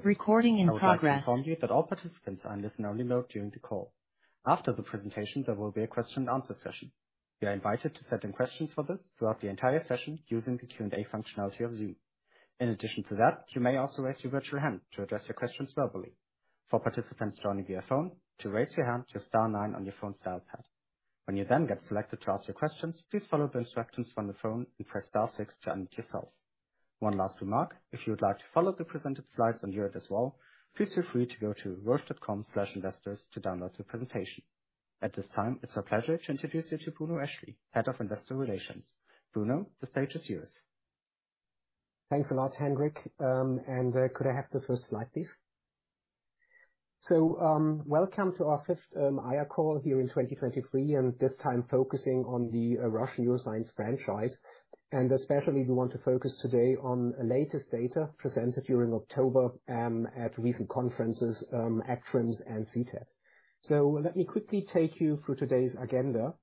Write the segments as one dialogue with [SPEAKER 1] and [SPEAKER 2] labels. [SPEAKER 1] I would like to inform you that all participants are in listen-only mode during the call. After the presentation, there will be a question and answer session. You are invited to send in questions for this throughout the entire session using the Q&A functionality of Zoom. In addition to that, you may also raise your virtual hand to address your questions verbally. For participants joining via phone, to raise your hand, press star nine on your phone's dial pad. When you then get selected to ask your questions, please follow the instructions from the phone and press star six to unmute yourself. One last remark, if you would like to follow the presented slides on here as well, please feel free to go to roche.com/investors to download the presentation. At this time, it's our pleasure to introduce you to Bruno Eschli, Head of Investor Relations. Bruno, the stage is yours.
[SPEAKER 2] Thanks a lot, Henrik. And could I have the first slide, please? Welcome to our fifth IR call here in 2023, and this time focusing on the Roche Neuroscience franchise. Especially, we want to focus today on the latest data presented during October at recent conferences, ACTRIMS and CTAD. Let me quickly take you through today's agenda.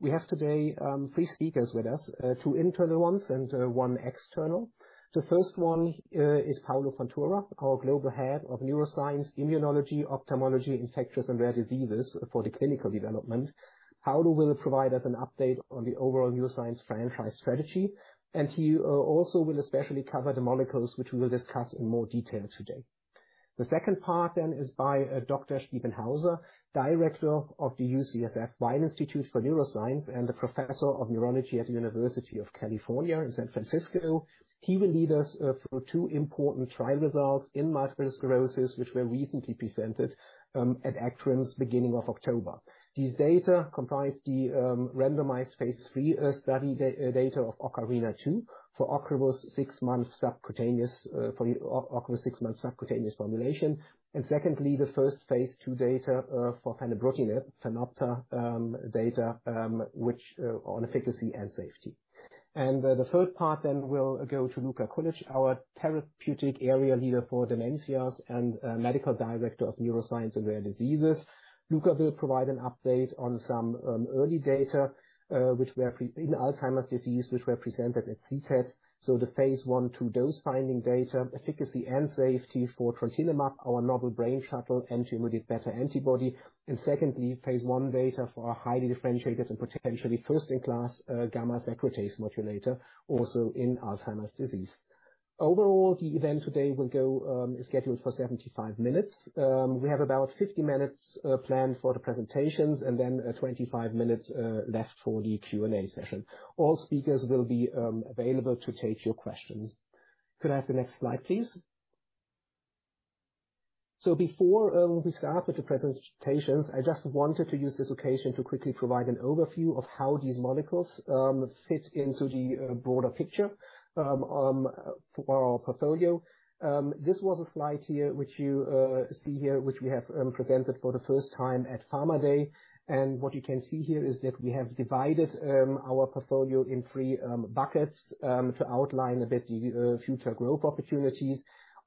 [SPEAKER 2] We have today three speakers with us, two internal ones and one external. The first one is Paulo Fontoura, our Global Head of Neuroscience, Immunology, Ophthalmology, Infectious and Rare Diseases for the clinical development. Paulo will provide us an update on the overall neuroscience franchise strategy, and he also will especially cover the molecules which we will discuss in more detail today. The second part then is by Dr. Stephen Hauser, Director of the UCSF Weill Institute for Neurosciences and a Professor of Neurology at the University of California, San Francisco. He will lead us through two important trial results in multiple sclerosis, which were recently presented at ACTRIMS, beginning of October. These data comprise the randomized phase III study data of Ocrevus two for Ocrevus six-month subcutaneous formulation. Secondly, the first phase II data for fenebrutinib on efficacy and safety. The third part then will go to Luka Kulic, our Therapeutic Area Leader for Dementias and Medical Director of Neuroscience and Rare Diseases. Luka will provide an update on some early data in Alzheimer's disease, which were presented at CTAD. So the phase I to dose-finding data, efficacy and safety for trontinemab, our novel brain shuttle antibody, beta antibody. And secondly, phase I data for our highly differentiated and potentially first-in-class, gamma secretase modulator, also in Alzheimer's disease. Overall, the event today will go, scheduled for 75 minutes. We have about 50 minutes planned for the presentations, and then, 25 minutes left for the Q&A session. All speakers will be available to take your questions. Could I have the next slide, please? So before we start with the presentations, I just wanted to use this occasion to quickly provide an overview of how these molecules fit into the broader picture for our portfolio. This was a slide here, which you see here, which we have presented for the first time at Pharma Day. What you can see here is that we have divided our portfolio in three buckets to outline a bit the future growth opportunities.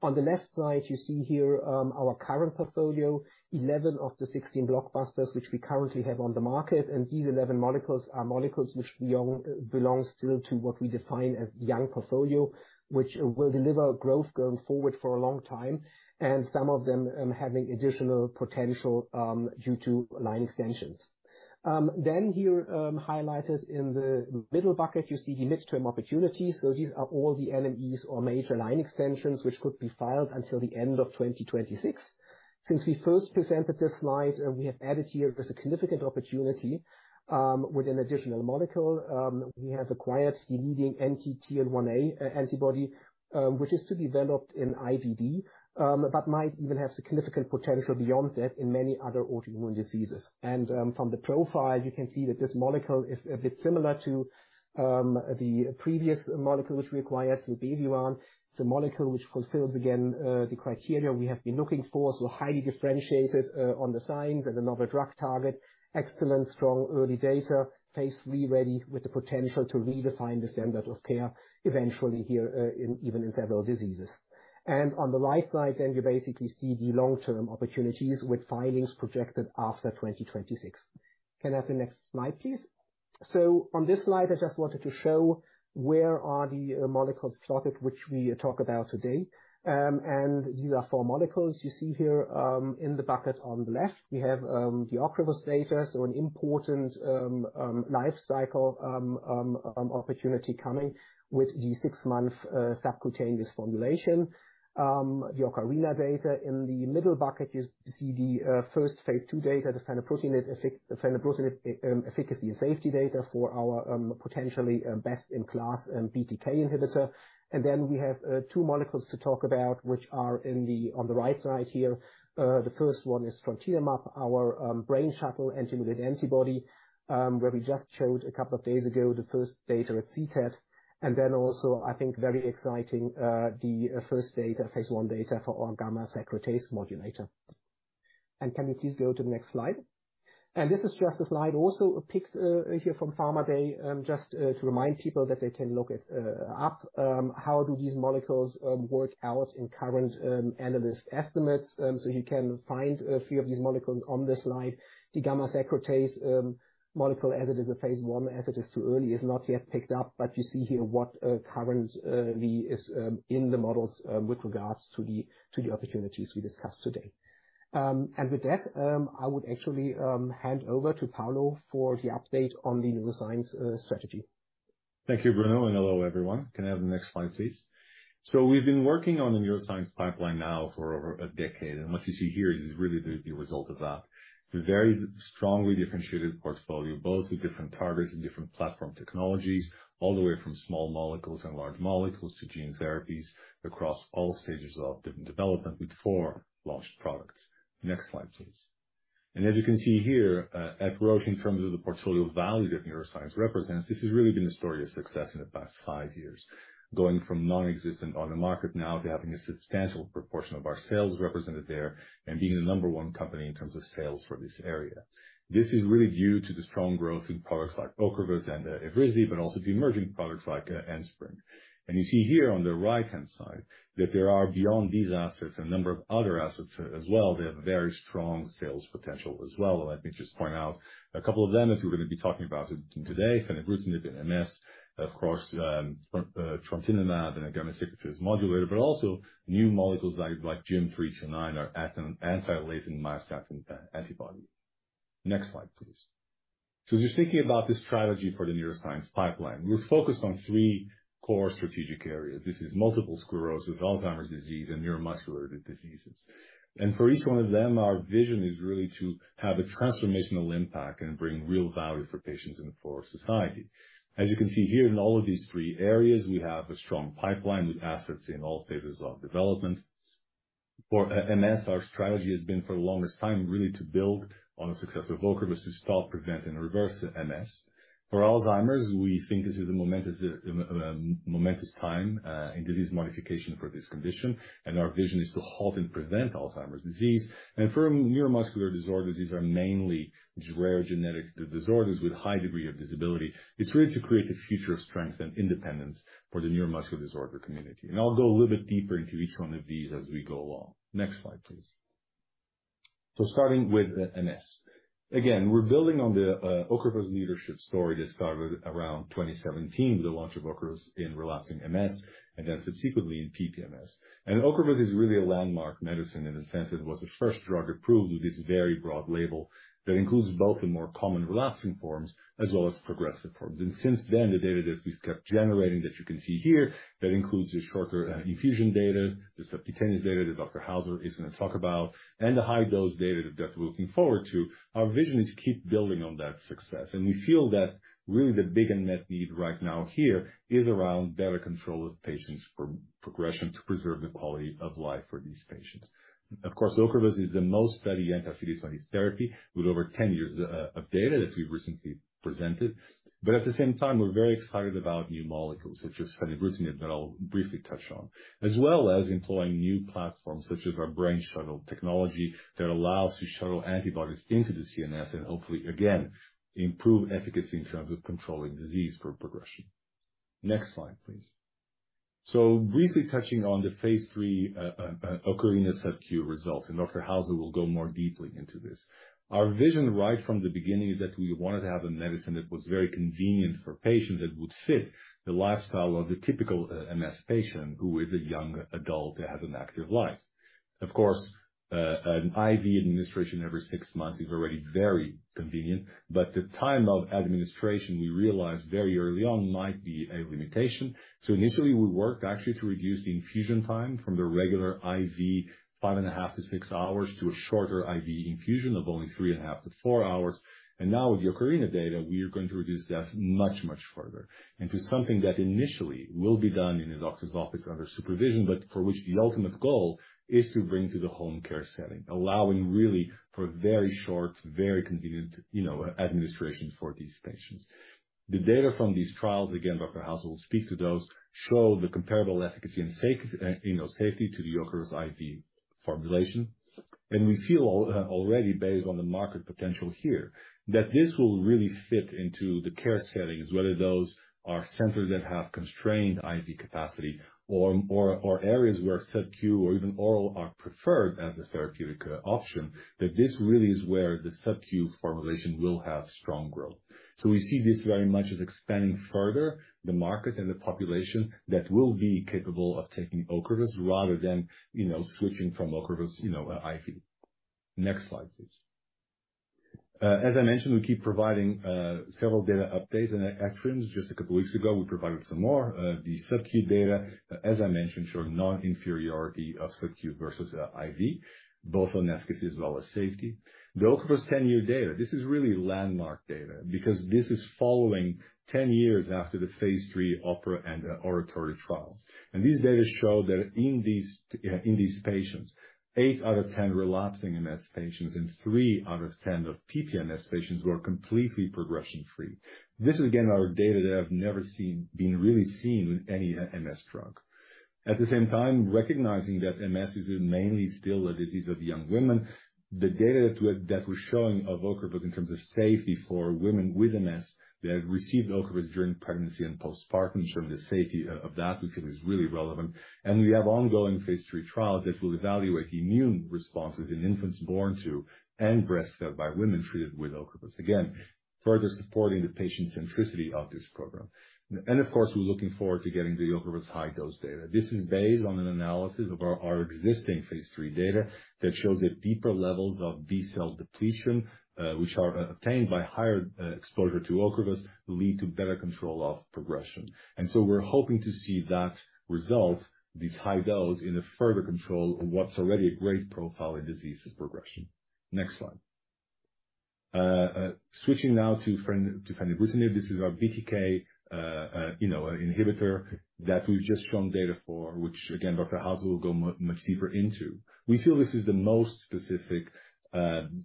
[SPEAKER 2] On the left side, you see here our current portfolio, 11 of the 16 blockbusters, which we currently have on the market. These 11 molecules are molecules which belong still to what we define as young portfolio, which will deliver growth going forward for a long time, and some of them having additional potential due to line extensions. Here highlighted in the middle bucket, you see the midterm opportunities. These are all the NMEs or major line extensions, which could be filed until the end of 2026. Since we first presented this slide, we have added here a significant opportunity with an additional molecule. We have acquired the leading NCTN 1A antibody, which is to be developed in IBD, but might even have significant potential beyond that in many other autoimmune diseases. And from the profile, you can see that this molecule is a bit similar to the previous molecule, which we acquired, so Beviran. It's a molecule which fulfills, again, the criteria we have been looking for, so highly differentiated on the science and another drug target, excellent, strong, early data, phase III ready, with the potential to redefine the standard of care eventually here in even several diseases. And on the right side, then you basically see the long-term opportunities with filings projected after 2026. Can I have the next slide, please? So on this slide, I just wanted to show where the molecules are plotted, which we talk about today. And these are four molecules you see here, in the bucket on the left. We have the Ocrevus data, so an important life cycle opportunity coming with the six month subcutaneous formulation. The OCARINA data. In the middle bucket, you see the first phase II data, the fenebrutinib, fenebrutinib, efficacy and safety data for our potentially best-in-class BTK inhibitor. And then we have two molecules to talk about, which are in the on the right side here. The first one is trontinemab, our brain shuttle antibody, where we just showed a couple of days ago, the first data at CTAD. And then also, I think, very exciting, the first data, phase I data for our gamma secretase modulator. And can we please go to the next slide? And this is just a slide, also a pic, here from Pharma Day, just, to remind people that they can look at how do these molecules work out in current analyst estimates. So you can find a few of these molecules on this slide. The gamma secretase molecule, as it is a phase I, as it is too early, is not yet picked up, but you see here what currently is in the models with regards to the, to the opportunities we discussed today. And with that, I would actually hand over to Paulo for the update on the neuroscience strategy.
[SPEAKER 3] ...Thank you, Bruno, and hello, everyone. Can I have the next slide, please? So we've been working on the neuroscience pipeline now for over a decade, and what you see here is really the result of that. It's a very strongly differentiated portfolio, both with different targets and different platform technologies, all the way from small molecules and large molecules to gene therapies across all stages of development, with four launched products. Next slide, please. And as you can see here, at growth in terms of the portfolio value that neuroscience represents, this has really been a story of success in the past five years, going from nonexistent on the market now to having a substantial proportion of our sales represented there and being the number one company in terms of sales for this area. This is really due to the strong growth in products like Ocrevus and Evrysdi, but also the emerging products like Enspryng. You see here on the right-hand side that there are, beyond these assets, a number of other assets as well that have very strong sales potential as well. Let me just point out a couple of them that we're going to be talking about today: fenebrutinib in MS, of course, trontinemab and gamma secretase modulator, but also new molecules like GYM329, or anti-latent myostatin antibody. Next slide, please. Just thinking about the strategy for the neuroscience pipeline, we're focused on three core strategic areas. This is multiple sclerosis, Alzheimer's disease, and neuromuscular diseases. For each one of them, our vision is really to have a transformational impact and bring real value for patients and for society. As you can see here, in all of these three areas, we have a strong pipeline with assets in all phases of development. For MS, our strategy has been, for the longest time, really to build on the success of Ocrevus, to stop, prevent, and reverse MS. For Alzheimer's, we think this is a momentous time in disease modification for this condition, and our vision is to halt and prevent Alzheimer's disease. And for neuromuscular disorders, these are mainly rare genetic disorders with a high degree of disability. It's really to create a future of strength and independence for the neuromuscular disorder community. And I'll go a little bit deeper into each one of these as we go along. Next slide, please. Starting with MS. Again, we're building on the Ocrevus leadership story that started around 2017, the launch of Ocrevus in relapsing MS, and then subsequently in PPMS. Ocrevus is really a landmark medicine in the sense it was the first drug approved with this very broad label that includes both the more common relapsing forms as well as progressive forms. Since then, the data that we've kept generating, that you can see here, that includes the shorter infusion data, the subcutaneous data that Dr. Hauser is going to talk about, and the high dose data that we're looking forward to. Our vision is to keep building on that success, and we feel that really the big unmet need right now here is around better control of patients for progression, to preserve the quality of life for these patients. Of course, Ocrevus is the most studied anti-CD20 therapy, with over 10 years of data that we've recently presented. But at the same time, we're very excited about new molecules such as fenebrutinib, that I'll briefly touch on, as well as employing new platforms, such as our Brain Shuttle technology, that allows to shuttle antibodies into the CNS and hopefully again, improve efficacy in terms of controlling disease for progression. Next slide, please. So briefly touching on the phase III Ocrevus subQ results, and Dr. Hauser will go more deeply into this. Our vision right from the beginning is that we wanted to have a medicine that was very convenient for patients, that would fit the lifestyle of the typical MS patient, who is a young adult that has an active life. Of course, an IV administration every six months is already very convenient, but the time of administration, we realized very early on, might be a limitation. So initially, we worked actually to reduce the infusion time from the regular IV, 5.5-6 hours, to a shorter IV infusion of only 3.5-4 hours. And now with the Ocrevus data, we are going to reduce that much, much further into something that initially will be done in a doctor's office under supervision, but for which the ultimate goal is to bring to the home care setting, allowing really for very short, very convenient, you know, administration for these patients. The data from these trials, again, Dr. Hauser will speak to those, show the comparable efficacy and safe- you know, safety to the Ocrevus IV formulation. We feel already, based on the market potential here, that this will really fit into the care settings, whether those are centers that have constrained IV capacity or areas where subQ or even oral are preferred as a therapeutic option, that this really is where the subQ formulation will have strong growth. So we see this very much as expanding further the market and the population that will be capable of taking Ocrevus rather than, you know, switching from Ocrevus, you know, IV. Next slide, please. As I mentioned, we keep providing several data updates and at ECTRIMS just a couple of weeks ago, we provided some more. The subQ data, as I mentioned, showed non-inferiority of subQ versus IV, both on efficacy as well as safety. The Ocrevus ten-year data, this is really landmark data, because this is following ten years after the phase III OPERA and ORATORIO trials. These data show that in these patients, eight out of 10 relapsing MS patients and three out of 10 PPMS patients were completely progression free. This is, again, our data that I've never seen—been really seen with any MS drug. At the same time, recognizing that MS is mainly still a disease of young women, the data that we're showing of Ocrevus in terms of safety for women with MS that received Ocrevus during pregnancy and postpartum, showing the safety of that, we feel is really relevant. We have ongoing phase III trials that will evaluate immune responses in infants born to and breastfed by women treated with Ocrevus. Again, further supporting the patient centricity of this program. And of course, we're looking forward to getting the Ocrevus high dose data. This is based on an analysis of our existing phase III data that shows that deeper levels of B-cell depletion, which are obtained by higher exposure to Ocrevus, lead to better control of progression. And so we're hoping to see that result, this high dose, in a further control of what's already a great profile in disease progression. Next slide. Switching now to fenebrutinib. This is our BTK inhibitor that we've just shown data for, which again, Dr. Hauser will go much deeper into. We feel this is the most specific;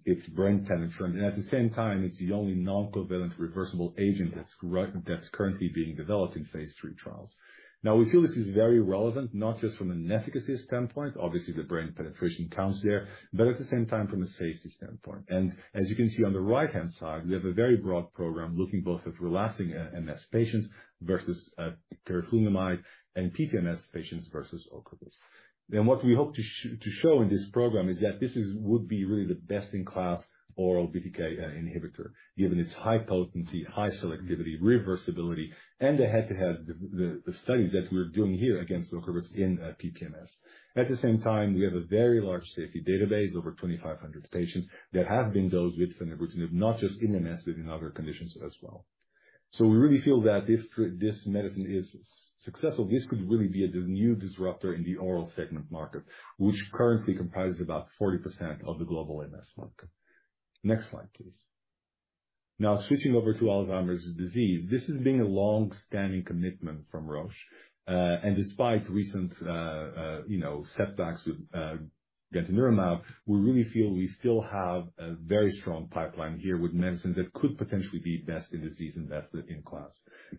[SPEAKER 3] it's brain penetrant, and at the same time, it's the only non-covalent reversible agent that's currently being developed in phase III trials. Now, we feel this is very relevant, not just from an efficacy standpoint, obviously, the brain penetration counts there, but at the same time from a safety standpoint. As you can see on the right-hand side, we have a very broad program looking both at relapsing MS patients versus teriflunomide and PPMS patients versus Ocrevus. Then what we hope to show in this program is that this would be really the best-in-class oral BTK inhibitor, given its high potency, high selectivity, reversibility, and the studies that we're doing here against Ocrevus in PPMS. At the same time, we have a very large safety database, over 2,500 patients, that have been dosed with fenebrutinib, not just in MS, but in other conditions as well. So we really feel that if this medicine is successful, this could really be a new disruptor in the oral segment market, which currently comprises about 40% of the global MS market. Next slide, please. Now, switching over to Alzheimer's disease, this has been a long-standing commitment from Roche. And despite recent, you know, setbacks with gantenerumab, we really feel we still have a very strong pipeline here with medicines that could potentially be best in disease, best in class.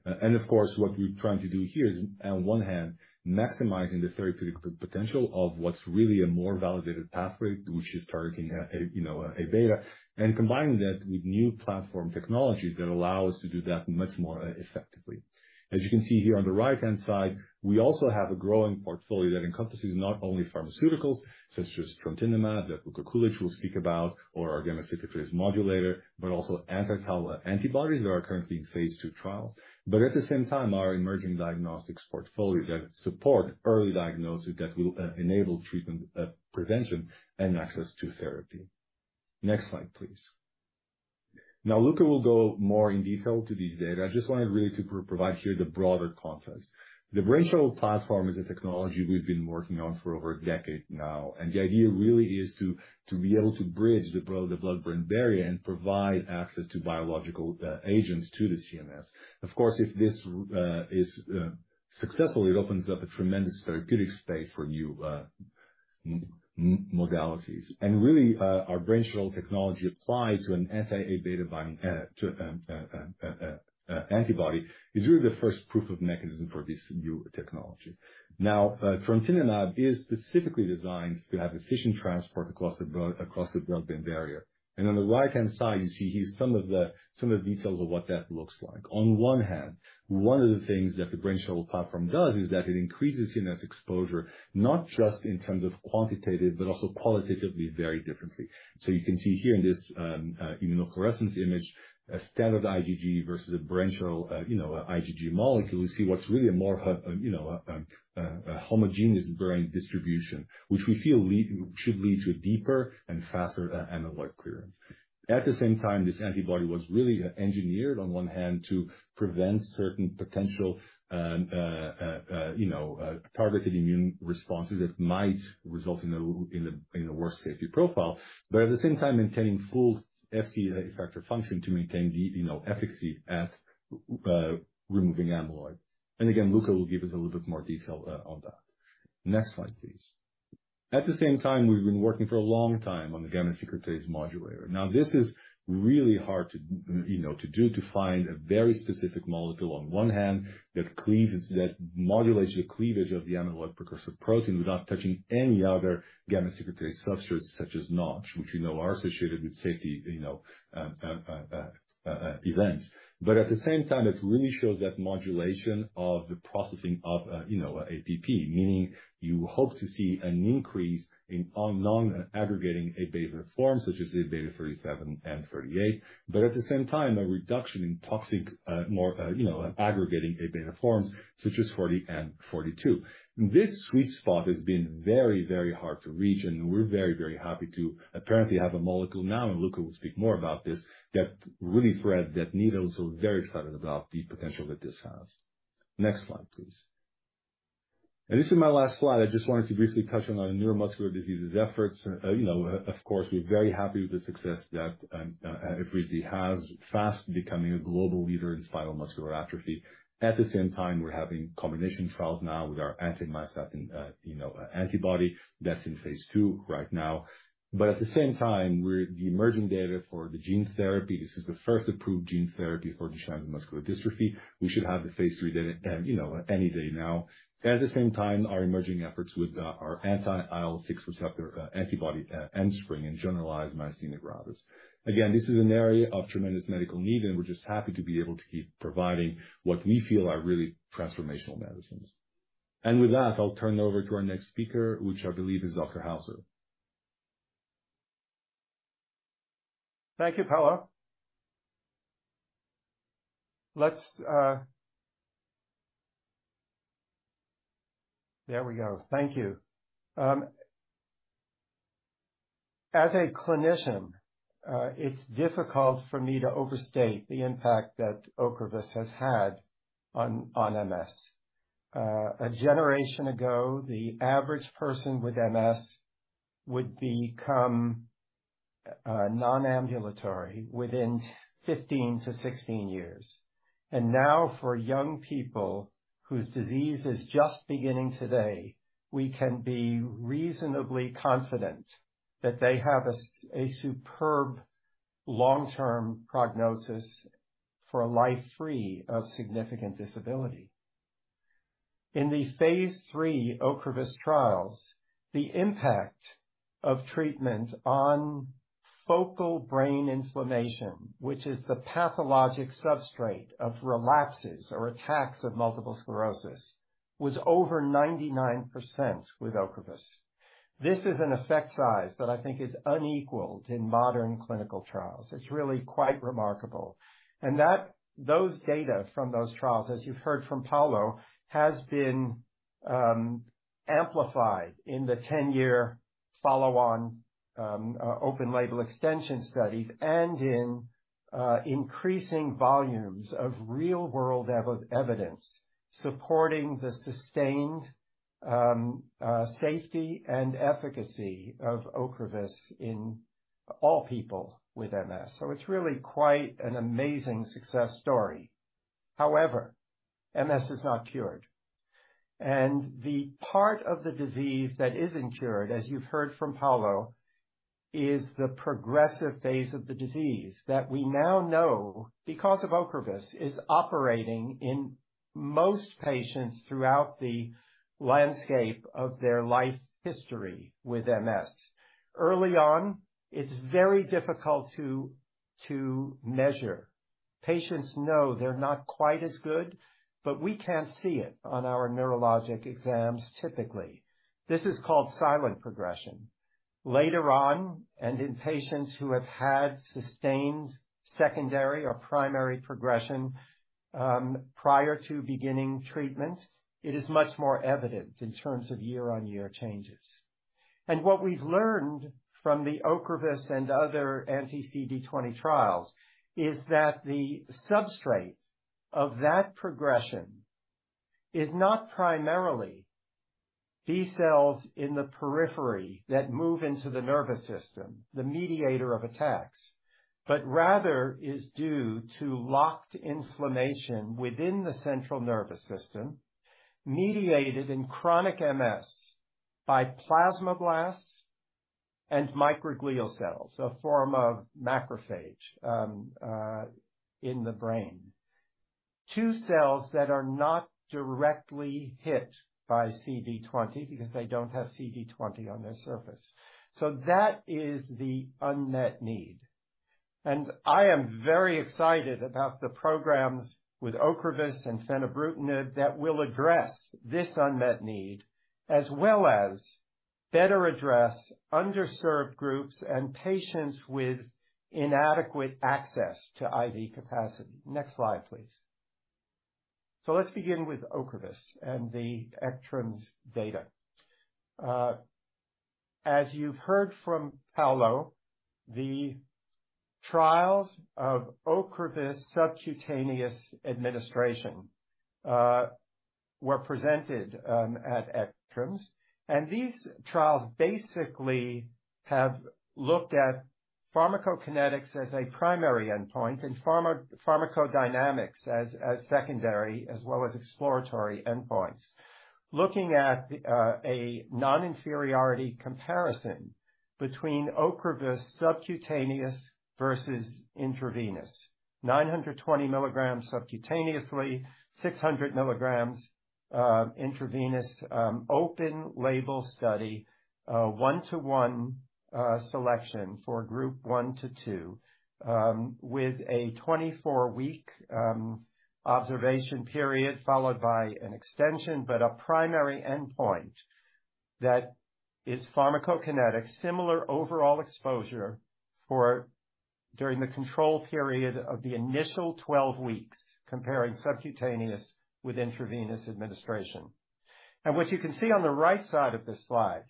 [SPEAKER 3] And of course, what we're trying to do here is, on one hand, maximizing the therapeutic potential of what's really a more validated pathway, which is targeting, you know, A-beta, and combining that with new platform technologies that allow us to do that much more effectively. As you can see here on the right-hand side, we also have a growing portfolio that encompasses not only pharmaceuticals such as trontinemab, that Luka Kulic will speak about, or our gamma secretase modulator, but also anti-tau antibodies that are currently in phase II trials, but at the same time, our emerging diagnostics portfolio that support early diagnosis that will enable treatment, prevention and access to therapy. Next slide, please. Now, Luka will go more in detail to these data. I just wanted really to provide here the broader context. The Brain Shuttle platform is a technology we've been working on for over a decade now, and the idea really is to be able to bridge the blood-brain barrier and provide access to biological agents to the CNS. Of course, if this is successful, it opens up a tremendous therapeutic space for new modalities. And really, our Brain Shuttle technology applied to an Aβ-binding antibody is really the first proof of mechanism for this new technology. Now, trontinemab is specifically designed to have efficient transport across the blood-brain barrier. And on the right-hand side, you see here some of the details of what that looks like. On one hand, one of the things that the Brain Shuttle platform does is that it increases CNS exposure, not just in terms of quantitative, but also qualitatively very differently. So you can see here in this immunofluorescence image, a standard IgG versus a Brain Shuttle IgG molecule. We see what's really a more, you know, homogeneous brain distribution, which we feel should lead to deeper and faster, amyloid clearance. At the same time, this antibody was really engineered, on one hand, to prevent certain potential, you know, targeted immune responses that might result in a worse safety profile, but at the same time, maintaining full FC factor function to maintain the, you know, efficacy at removing amyloid. And again, Luka will give us a little bit more detail, on that. Next slide, please. At the same time, we've been working for a long time on the gamma secretase modulator. Now, this is really hard to, you know, to do, to find a very specific molecule on one hand, that cleaves, that modulates the cleavage of the amyloid precursor protein without touching any other gamma secretase substrates, such as Notch, which we know are associated with safety, you know, events. But at the same time, it really shows that modulation of the processing of, you know, APP, meaning you hope to see an increase in on non-aggregating Aβ forms, such as Aβ 37 and 38, but at the same time, a reduction in toxic, more, you know, aggregating Aβ forms, such as 40 and 42. This sweet spot has been very, very hard to reach, and we're very, very happy to apparently have a molecule now, and Luka will speak more about this, that really thread that needle, so very excited about the potential that this has. Next slide, please. And this is my last slide. I just wanted to briefly touch on our neuromuscular diseases efforts. You know, of course, we're very happy with the success that Evrydi has, fast becoming a global leader in spinal muscular atrophy. At the same time, we're having combination trials now with our anti-myostatin, you know, antibody. That's in phase II right now. But at the same time, the emerging data for the gene therapy, this is the first approved gene therapy for Duchenne muscular dystrophy. We should have the phase III data, you know, any day now. At the same time, our emerging efforts with our anti-IL-6 receptor antibody Enspryng in generalized myasthenia gravis. Again, this is an area of tremendous medical need, and we're just happy to be able to keep providing what we feel are really transformational medicines. And with that, I'll turn it over to our next speaker, which I believe is Dr. Hauser.
[SPEAKER 4] Thank you, Paolo. Let's. There we go. Thank you. As a clinician, it's difficult for me to overstate the impact that Ocrevus has had on MS. A generation ago, the average person with MS would become non-ambulatory within 15-16 years. And now, for young people whose disease is just beginning today, we can be reasonably confident that they have a superb long-term prognosis for a life free of significant disability. In the phase III Ocrevus trials, the impact of treatment on focal brain inflammation, which is the pathologic substrate of relapses or attacks of multiple sclerosis, was over 99% with Ocrevus. This is an effect size that I think is unequaled in modern clinical trials. It's really quite remarkable. That, those data from those trials, as you've heard from Paulo, has been amplified in the ten-year follow-on open label extension studies and in increasing volumes of real world evidence supporting the sustained safety and efficacy of Ocrevus in all people with MS. So it's really quite an amazing success story. However, MS is not cured, and the part of the disease that isn't cured, as you've heard from Paulo, is the progressive phase of the disease that we now know, because of Ocrevus, is operating in most patients throughout the landscape of their life history with MS. Early on, it's very difficult to measure. Patients know they're not quite as good, but we can't see it on our neurologic exams, typically. This is called silent progression. Later on, and in patients who have had sustained secondary or primary progression, prior to beginning treatment, it is much more evident in terms of year-on-year changes. What we've learned from the Ocrevus and other anti-CD20 trials is that the substrate of that progression is not primarily B-cells in the periphery that move into the nervous system, the mediator of attacks, but rather is due to locked inflammation within the central nervous system, mediated in chronic MS by plasmablasts and microglial cells, a form of macrophage, in the brain. Two cells that are not directly hit by CD20 because they don't have CD20 on their surface. So that is the unmet need, and I am very excited about the programs with Ocrevus and fenebrutinib that will address this unmet need, as well as better address underserved groups and patients with inadequate access to IV capacity. Next slide, please. So let's begin with Ocrevus and the ECTRIMS data. As you've heard from Paulo, the trials of Ocrevus subcutaneous administration were presented at ECTRIMS, and these trials basically have looked at pharmacokinetics as a primary endpoint and pharmacodynamics as secondary, as well as exploratory endpoints. Looking at a non-inferiority comparison between Ocrevus subcutaneous versus intravenous, 920 mg subcutaneously, 600 mg intravenous, open-label study, 1-to-1 selection for Group 1 to 2, with a 24-week observation period, followed by an extension. But a primary endpoint that is pharmacokinetic, similar overall exposure for during the control period of the initial 12 weeks, comparing subcutaneous with intravenous administration. What you can see on the right side of this slide is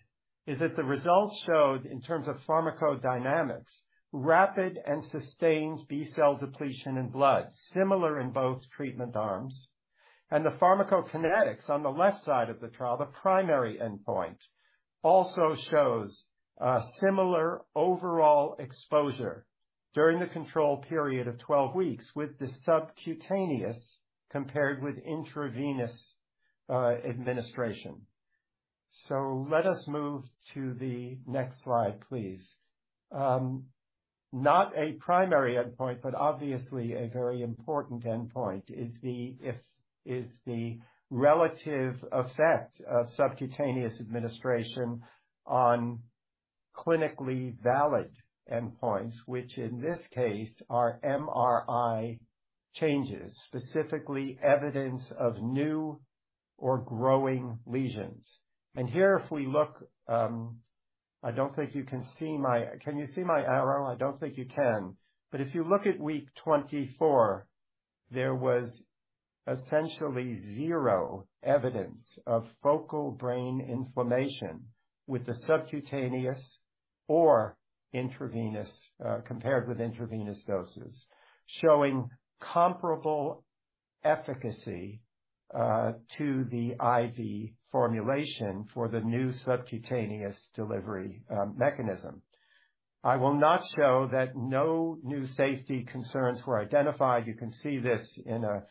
[SPEAKER 4] that the results showed, in terms of pharmacodynamics, rapid and sustained B-cell depletion in blood, similar in both treatment arms. The pharmacokinetics on the left side of the trial, the primary endpoint, also shows a similar overall exposure during the control period of 12 weeks with the subcutaneous compared with intravenous administration. Let us move to the next slide, please. Not a primary endpoint, but obviously a very important endpoint, is the relative effect of subcutaneous administration on clinically valid endpoints, which in this case are MRI changes, specifically evidence of new or growing lesions. Here, if we look, I don't think you can see my-- Can you see my arrow? I don't think you can. But if you look at week 24, there was essentially zero evidence of focal brain inflammation with the subcutaneous or intravenous, compared with intravenous doses, showing comparable efficacy to the IV formulation for the new subcutaneous delivery mechanism. I will not show that no new safety concerns were identified. You can see this in a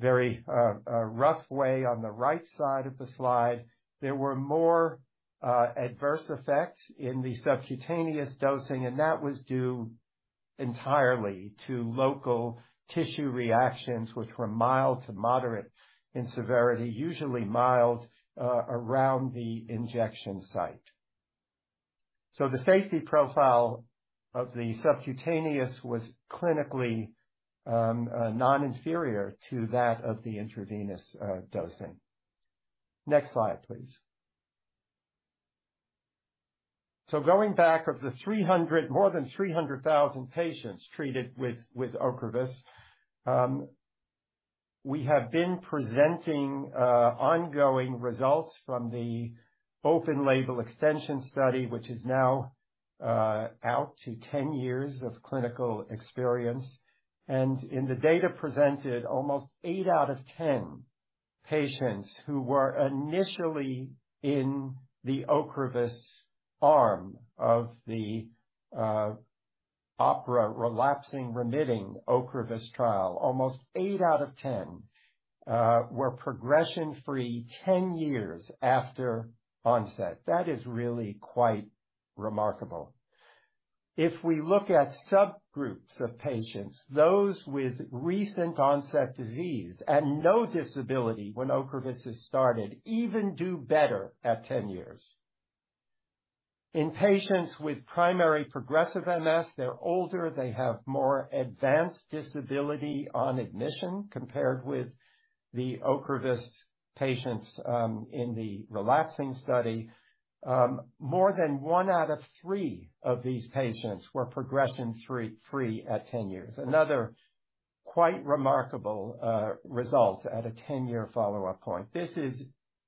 [SPEAKER 4] very rough way on the right side of the slide. There were more adverse effects in the subcutaneous dosing, and that was due entirely to local tissue reactions, which were mild to moderate in severity, usually mild, around the injection site. So the safety profile of the subcutaneous was clinically non-inferior to that of the intravenous dosing. Next slide, please. So going back, of the 300, more than 300,000 patients treated with Ocrevus, we have been presenting ongoing results from the open label extension study, which is now out to 10 years of clinical experience. And in the data presented, almost eight out of 10 patients who were initially in the Ocrevus arm of the OPERA relapsing remitting Ocrevus trial, almost eight out of 10 were progression-free 10 years after onset. That is really quite remarkable. If we look at subgroups of patients, those with recent onset disease and no disability when Ocrevus is started, even do better at 10 years. In patients with primary progressive MS, they're older, they have more advanced disability on admission compared with the Ocrevus patients in the relapsing study. More than one out of three of these patients were progression free at 10 years. Another quite remarkable result at a 10-year follow-up point. This is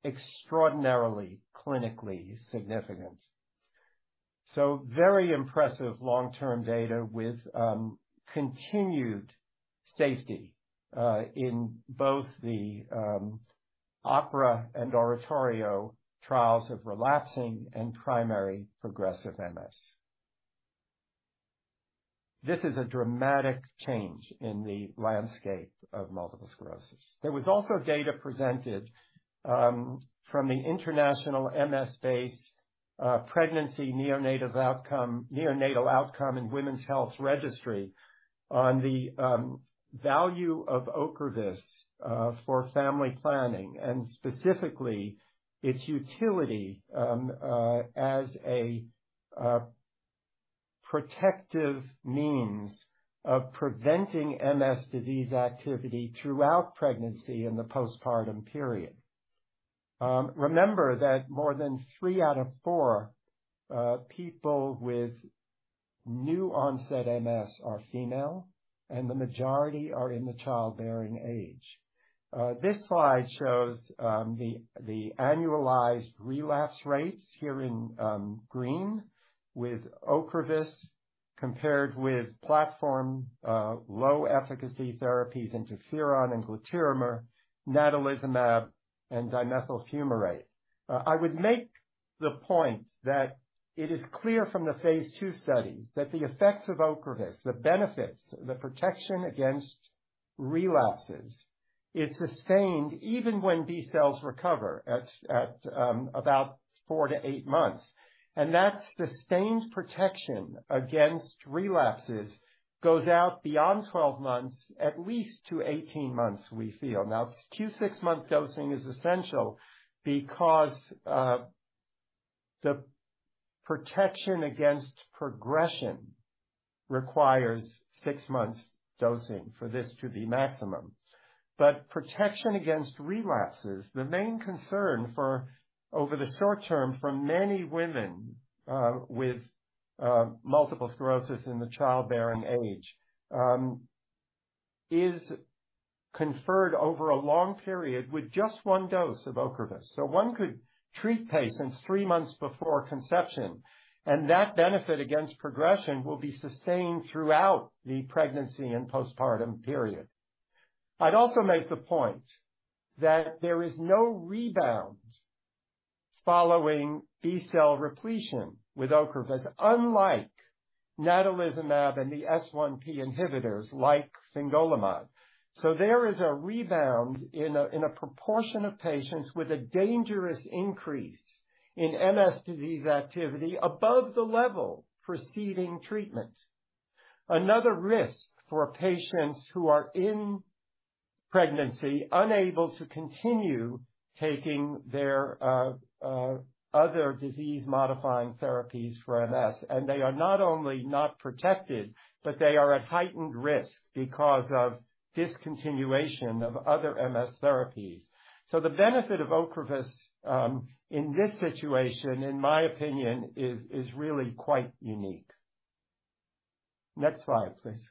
[SPEAKER 4] extraordinarily clinically significant. So very impressive long-term data with continued safety in both the OPERA and ORATORIO trials of relapsing and primary progressive MS. This is a dramatic change in the landscape of multiple sclerosis. There was also data presented from the International MSBase Pregnancy, Neonatal Outcome, and Women's Health Registry on the value of Ocrevus for family planning, and specifically its utility as a protective means of preventing MS disease activity throughout pregnancy and the postpartum period. Remember that more than three out of four people with new onset MS are female, and the majority are in the childbearing age. This slide shows the annualized relapse rates here in green with Ocrevus, compared with platform low efficacy therapies, interferon and glatiramer, natalizumab, and dimethyl fumarate. I would make the point that it is clear from the phase II studies that the effects of Ocrevus, the benefits, the protection against relapses, is sustained even when B cells recover at about 4-8 months. That sustained protection against relapses goes out beyond 12 months, at least to 18 months, we feel. Now, Q six month dosing is essential because the protection against progression requires six months dosing for this to be maximum. But protection against relapses, the main concern for over the short term for many women with multiple sclerosis in the childbearing age, is conferred over a long period with just one dose of Ocrevus. So one could treat patients three months before conception, and that benefit against progression will be sustained throughout the pregnancy and postpartum period. I'd also make the point that there is no rebound following B-cell repletion with Ocrevus, unlike natalizumab and the S1P inhibitors like fingolimod. So there is a rebound in a proportion of patients with a dangerous increase in MS disease activity above the level preceding treatment. Another risk for patients who are in pregnancy, unable to continue taking their other disease-modifying therapies for MS, and they are not only not protected, but they are at heightened risk because of discontinuation of other MS therapies. So the benefit of Ocrevus in this situation, in my opinion, is really quite unique. Next slide, please.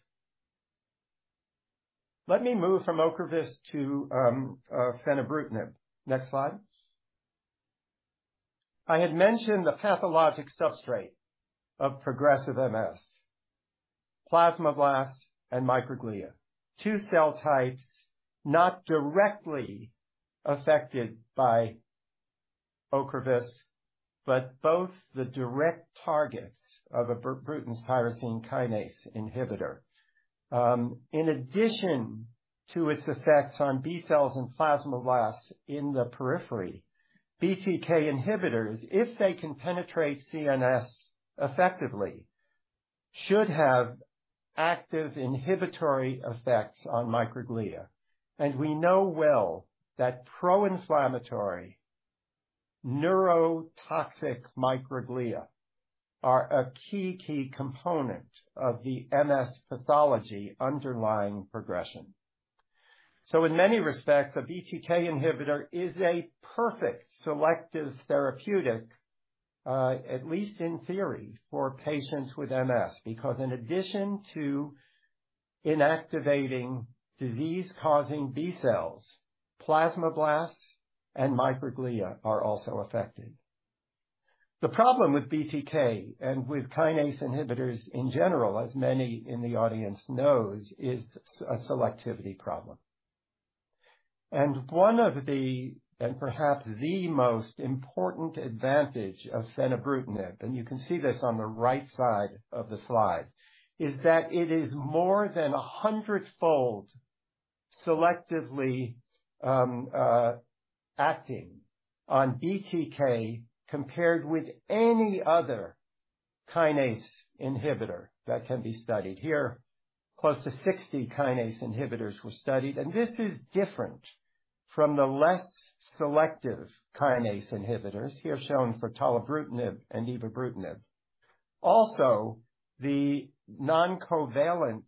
[SPEAKER 4] Let me move from Ocrevus to fenebrutinib. Next slide. I had mentioned the pathologic substrate of progressive MS, plasmablast and microglia. Two cell types not directly affected by Ocrevus, but both the direct targets of a Bruton's tyrosine kinase inhibitor. In addition to its effects on B cells and plasmablasts in the periphery, BTK inhibitors, if they can penetrate CNS effectively, should have active inhibitory effects on microglia. And we know well that pro-inflammatory neurotoxic microglia are a key, key component of the MS pathology underlying progression. So in many respects, a BTK inhibitor is a perfect selective therapeutic, at least in theory, for patients with MS, because in addition to inactivating disease-causing B cells, plasmablasts and microglia are also affected. The problem with BTK and with kinase inhibitors in general, as many in the audience knows, is a selectivity problem. One of the, and perhaps the most important advantage of fenebrutinib, and you can see this on the right side of the slide, is that it is more than 100-fold selectively acting on BTK compared with any other kinase inhibitor that can be studied. Here, close to 60 kinase inhibitors were studied, and this is different from the less selective kinase inhibitors, here shown for tolebrutinib and evobrutinib. Also, the non-covalent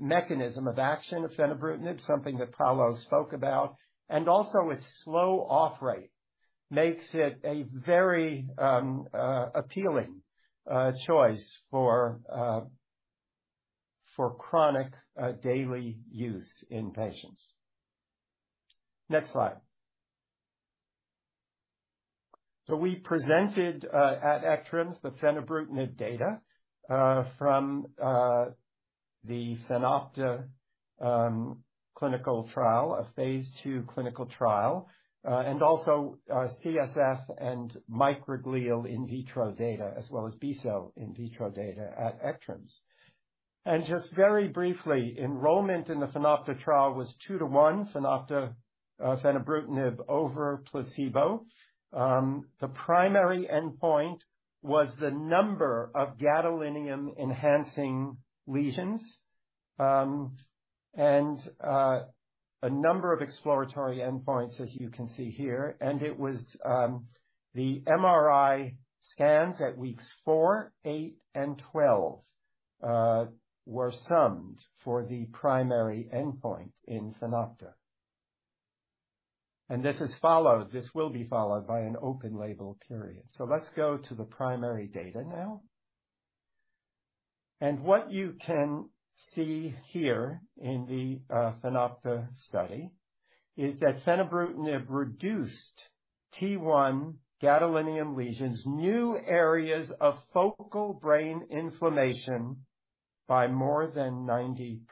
[SPEAKER 4] mechanism of action of fenebrutinib, something that Paulo spoke about, and also its slow off rate, makes it a very appealing choice for chronic, daily use in patients. Next slide. So we presented at ECTRIMS, the Fenebrutinib data from the FENOPTA clinical trial, a phase II clinical trial, and also CSF and microglial in vitro data, as well as B-cell in vitro data at ECTRIMS. And just very briefly, enrollment in the FENOPTA trial was 2 to 1, FENOPTA, Fenebrutinib over placebo. The primary endpoint was the number of gadolinium-enhancing lesions, and a number of exploratory endpoints, as you can see here. And it was the MRI scans at weeks four, eight, and 12 were summed for the primary endpoint in FENOPTA. And this is followed—this will be followed by an open label period. So let's go to the primary data now. What you can see here in the FENOPTA study is that Fenebrutinib reduced T1 gadolinium lesions, new areas of focal brain inflammation by more than 90%,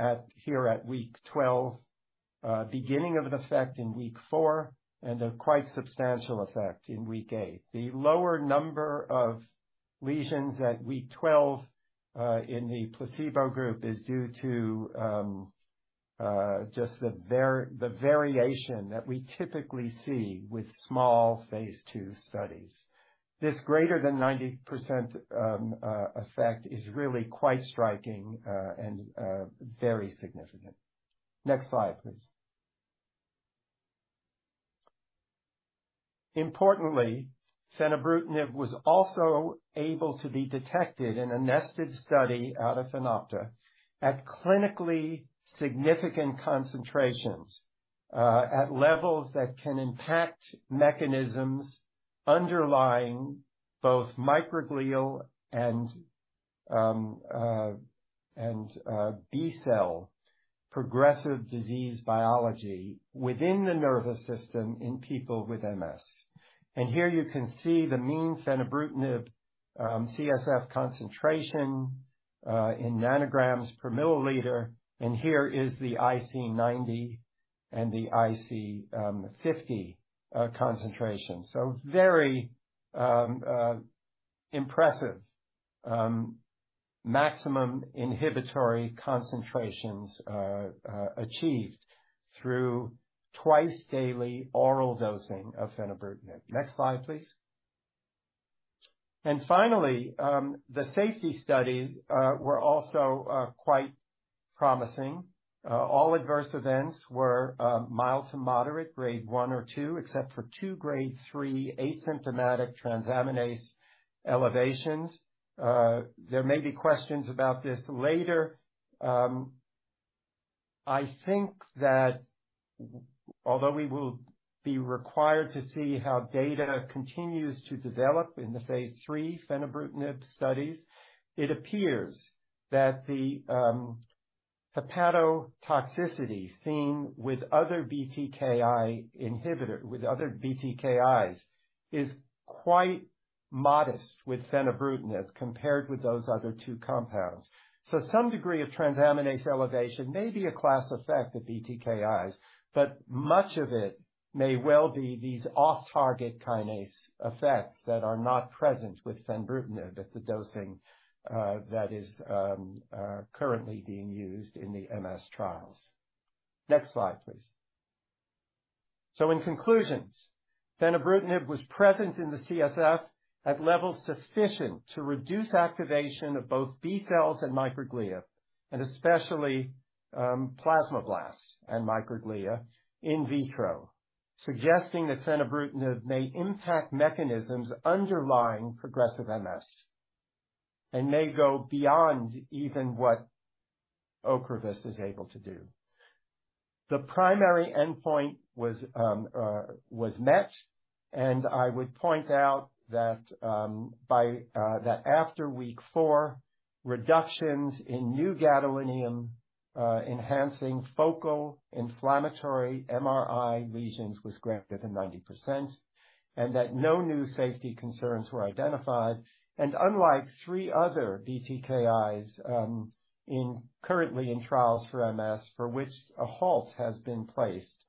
[SPEAKER 4] at week 12. Beginning of an effect in week four, and a quite substantial effect in week 8. The lower number of lesions at week 12 in the placebo group is due to just the variation that we typically see with small phase II studies. This greater than 90% effect is really quite striking and very significant. Next slide, please. Importantly, Fenebrutinib was also able to be detected in a nested study out of FENOPTA, at clinically significant concentrations, at levels that can impact mechanisms underlying both microglial and B-cell progressive disease biology within the nervous system in people with MS. And here you can see the mean fenebrutinib CSF concentration in nanograms per milliliter. Here is the IC 90 and the IC 50 concentration. So very impressive maximum inhibitory concentrations achieved through twice-daily oral dosing of fenebrutinib. Next slide, please. And finally, the safety studies were also quite promising. All adverse events were mild to moderate, grade 1 or 2, except for two grade 3 asymptomatic transaminase elevations. There may be questions about this later. I think that although we will be required to see how data continues to develop in the phase III fenebrutinib studies, it appears that the hepatotoxicity seen with other BTK inhibitor, with other BTKIs, is quite modest with fenebrutinib compared with those other two compounds. Some degree of transaminase elevation may be a class effect of BTKIs, but much of it may well be these off-target kinase effects that are not present with fenebrutinib at the dosing that is currently being used in the MS trials. Next slide, please. In conclusions, fenebrutinib was present in the CSF at levels sufficient to reduce activation of both B cells and microglia, and especially plasmablasts and microglia in vitro, suggesting that fenebrutinib may impact mechanisms underlying progressive MS, and may go beyond even what Ocrevus is able to do. The primary endpoint was met, and I would point out that by that after week four, reductions in new gadolinium enhancing focal inflammatory MRI lesions was greater than 90%, and that no new safety concerns were identified. Unlike three other BTKIs currently in trials for MS, for which a halt has been placed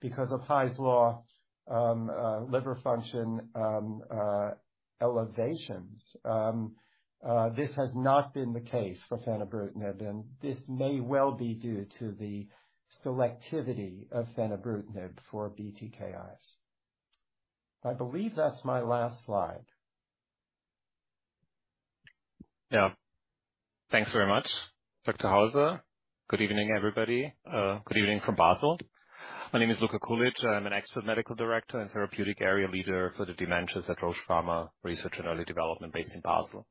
[SPEAKER 4] because of Hy's Law, liver function elevations, this has not been the case for fenebrutinib, and this may well be due to the selectivity of fenebrutinib for BTKIs. I believe that's my last slide.
[SPEAKER 5] Yeah. Thanks very much, Dr. Hauser. Good evening, everybody. Good evening from Basel. My name is Luka Kulic. I'm an Expert Medical Director and Therapeutic Area Leader for the dementias at Roche Pharma Research and Early Development, based in Basel.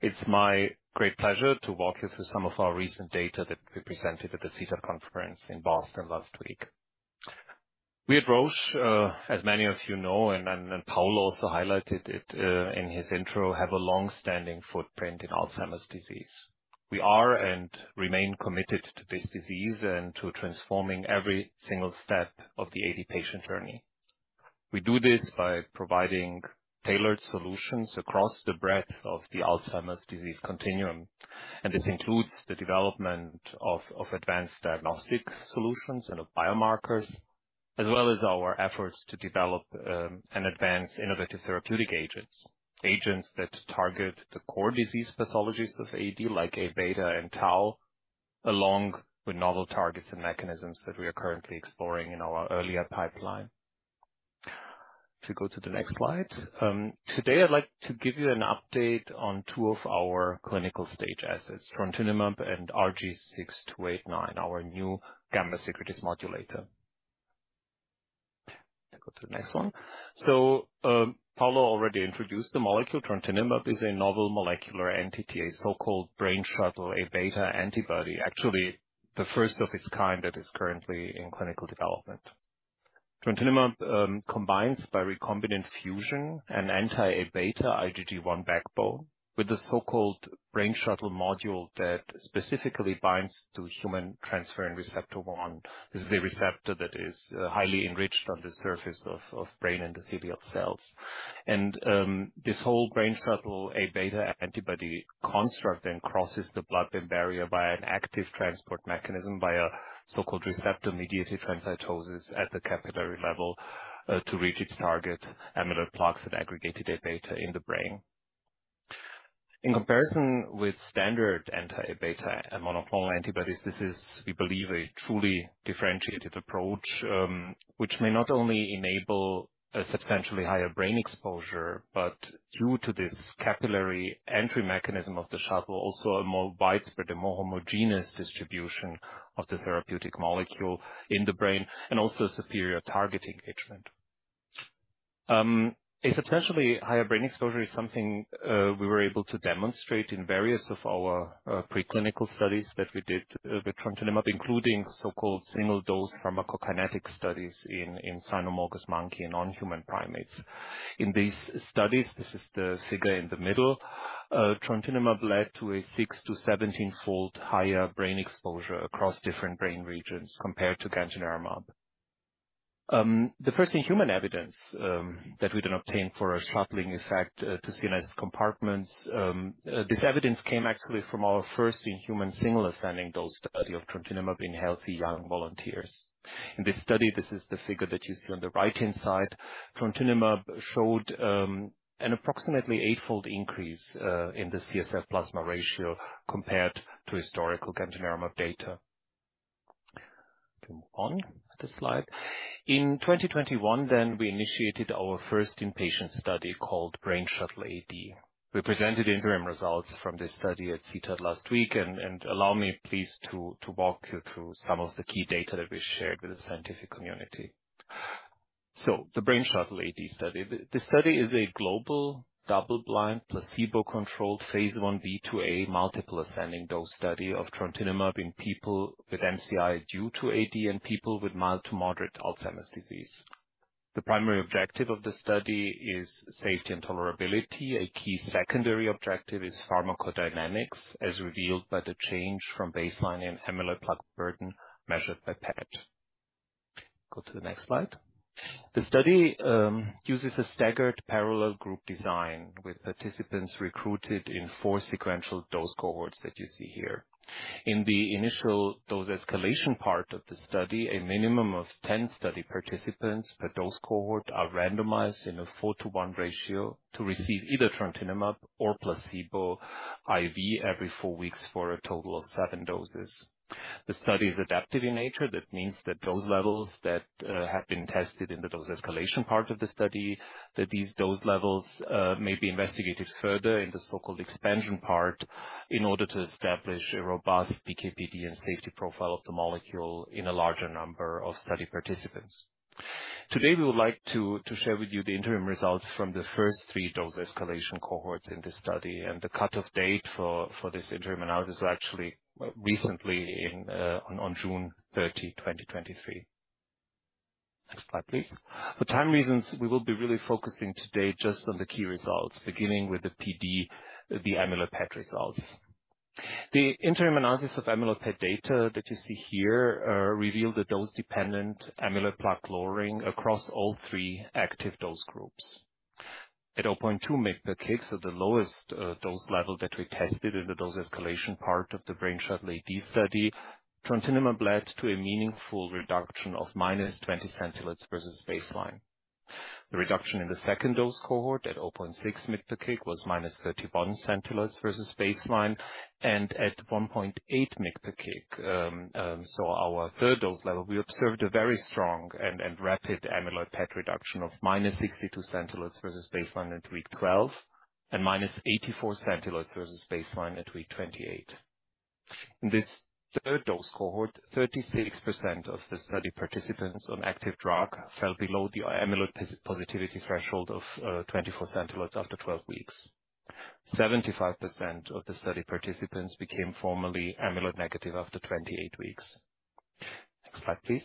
[SPEAKER 5] It's my great pleasure to walk you through some of our recent data that we presented at the CTAD conference in Boston last week. We at Roche, as many of you know, and Paulo also highlighted it, in his intro, have a long-standing footprint in Alzheimer's disease. We are and remain committed to this disease and to transforming every single step of the AD patient journey. We do this by providing tailored solutions across the breadth of the Alzheimer's disease continuum, and this includes the development of advanced diagnostic solutions and of biomarkers, as well as our efforts to develop and advance innovative therapeutic agents. Agents that target the core disease pathologies of AD, like A-beta and tau, along with novel targets and mechanisms that we are currently exploring in our earlier pipeline. If you go to the next slide. Today, I'd like to give you an update on two of our clinical stage assets, trontinemab and RG6289, our new gamma-secretase modulator. Go to the next one. So, Paulo already introduced the molecule, trontinemab, is a novel molecular entity, a so-called brain shuttle A-beta antibody. Actually, the first of its kind that is currently in clinical development. Trontinemab combines by recombinant fusion an anti-Aβ IgG1 backbone with the so-called Brain Shuttle module that specifically binds to human transferrin receptor 1. This is a receptor that is highly enriched on the surface of brain endothelial cells. This whole Brain Shuttle Aβ antibody construct then crosses the blood-brain barrier by an active transport mechanism, by a so-called receptor-mediated transcytosis at the capillary level, to reach its target, amyloid plaques and aggregated Aβ in the brain. In comparison with standard anti-Aβ monoclonal antibodies, this is, we believe, a truly differentiated approach, which may not only enable a substantially higher brain exposure, but due to this capillary entry mechanism of the shuttle, also a more widespread and more homogeneous distribution of the therapeutic molecule in the brain, and also superior targeting engagement. A substantially higher brain exposure is something we were able to demonstrate in various of our preclinical studies that we did with trontinemab, including so-called single-dose pharmacokinetic studies in cynomolgus monkey and non-human primates. In these studies, this is the figure in the middle, trontinemab led to a 6- to 17-fold higher brain exposure across different brain regions compared to gantenerumab. The first in-human evidence that we then obtained for a shuttling effect to CNS compartments, this evidence came actually from our first-in-human single ascending dose study of trontinemab in healthy young volunteers. In this study, this is the figure that you see on the right-hand side, trontinemab showed an approximately eight fold increase in the CSF plasma ratio compared to historical gantenerumab data. To move on, the slide. In 2021, we initiated our first-in-human study called Brain Shuttle AD. We presented interim results from this study at CTAD last week, and allow me please to walk you through some of the key data that we shared with the scientific community. So, the Brain Shuttle AD study. The study is a global, double-blind, placebo-controlled, phase I-B/II-A, multiple ascending dose study of trontinemab in people with MCI due to AD and people with mild to moderate Alzheimer's disease. The primary objective of the study is safety and tolerability. A key secondary objective is pharmacodynamics, as revealed by the change from baseline in amyloid plaque burden measured by PET. Go to the next slide. The study uses a staggered parallel group design, with participants recruited in four sequential dose cohorts that you see here. In the initial dose escalation part of the study, a minimum of 10 study participants per dose cohort are randomized in a 4-to-1 ratio to receive either trontinemab or placebo IV every four weeks for a total of seven doses. The study is adaptive in nature. That means that dose levels that have been tested in the dose escalation part of the study, that these dose levels may be investigated further in the so-called expansion part, in order to establish a robust PK/PD and safety profile of the molecule in a larger number of study participants. Today, we would like to share with you the interim results from the first three dose escalation cohorts in this study, and the cut-off date for this interim analysis was actually recently in on June 30, 2023. Next slide, please. For time reasons, we will be really focusing today just on the key results, beginning with the PD, the amyloid PET results. The interim analysis of amyloid PET data that you see here revealed a dose-dependent amyloid plaque lowering across all three active dose groups. At 0.2 mg/kg, so the lowest dose level that we tested in the dose escalation part of the Brain Shuttle AD study, trontinemab led to a meaningful reduction of -20 centiloids versus baseline. The reduction in the second dose cohort at 0.6 mg/kg was -31 centiloids versus baseline, and at 1.8 mg/kg, so our third dose level, we observed a very strong and rapid amyloid PET reduction of -62 centiloids versus baseline at week 12, and -84 centiloids versus baseline at week 28. In this third dose cohort, 36% of the study participants on active drug fell below the amyloid positivity threshold of 24 centiloids after 12 weeks. 75% of the study participants became formally amyloid negative after 28 weeks. Next slide, please.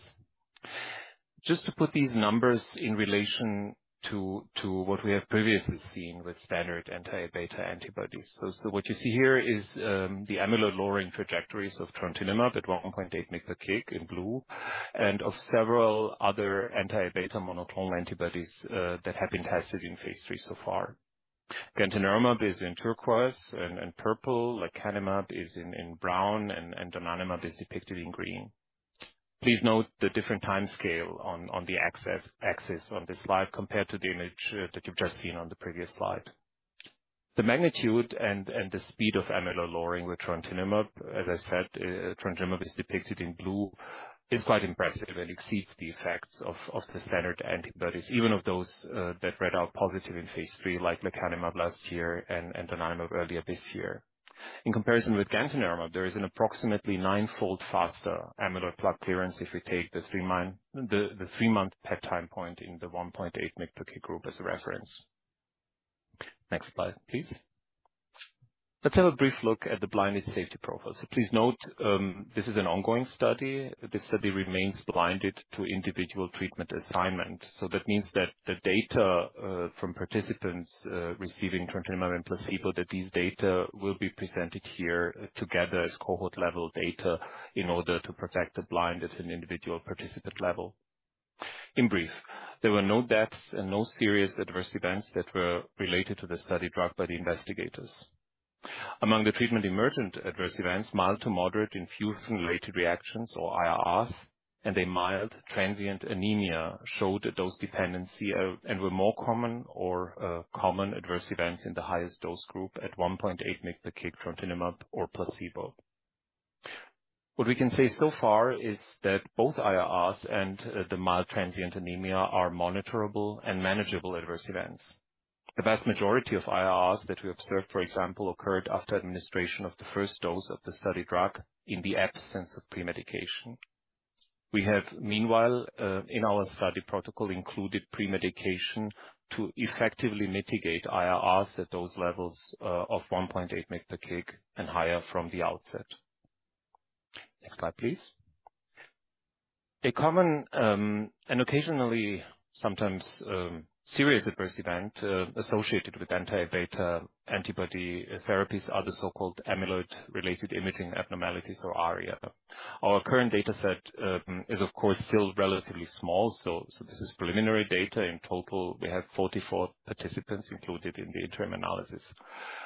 [SPEAKER 5] Just to put these numbers in relation to what we have previously seen with standard anti-beta antibodies. What you see here is the amyloid lowering trajectories of trontinemab at 1.8 mg/kg in blue, and of several other anti-beta monoclonal antibodies that have been tested in phase III so far. Gantenerumab is in turquoise and purple, lecanemab is in brown, and donanemab is depicted in green. Please note the different time scale on the axis on this slide, compared to the image that you've just seen on the previous slide. The magnitude and the speed of amyloid lowering with trontinemab, as I said, trontinemab is depicted in blue, is quite impressive and exceeds the effects of the standard antibodies, even of those that read out positive in phase III, like lecanemab last year and donanemab earlier this year. In comparison with gantenerumab, there is an approximately nine-fold faster amyloid plaque clearance if we take the three-month, the three-month PET time point in the 1.8 mg/kg group as a reference. Next slide, please. Let's have a brief look at the blinded safety profile. So please note, this is an ongoing study. This study remains blinded to individual treatment assignment. So that means that the data from participants receiving trontinemab and placebo, that these data will be presented here together as cohort-level data in order to protect the blind at an individual participant level. In brief, there were no deaths and no serious adverse events that were related to the study drug by the investigators. Among the treatment-emergent adverse events, mild to moderate infusion-related reactions, or IRRs, and a mild transient anemia, showed a dose dependency and were more common or common adverse events in the highest dose group at 1.8 mg/kg trontinemab or placebo. What we can say so far is that both IRRs and the mild transient anemia are monitorable and manageable adverse events. The vast majority of IRRs that we observed, for example, occurred after administration of the first dose of the study drug in the absence of pre-medication. We have, meanwhile, in our study protocol, included pre-medication to effectively mitigate IRRs at dose levels of 1.8 mg/kg and higher from the outset. Next slide, please. A common, and occasionally sometimes, serious adverse event associated with anti-beta antibody therapies are the so-called amyloid-related imaging abnormalities, or ARIA. Our current data set is of course still relatively small, so this is preliminary data. In total, we have 44 participants included in the interim analysis.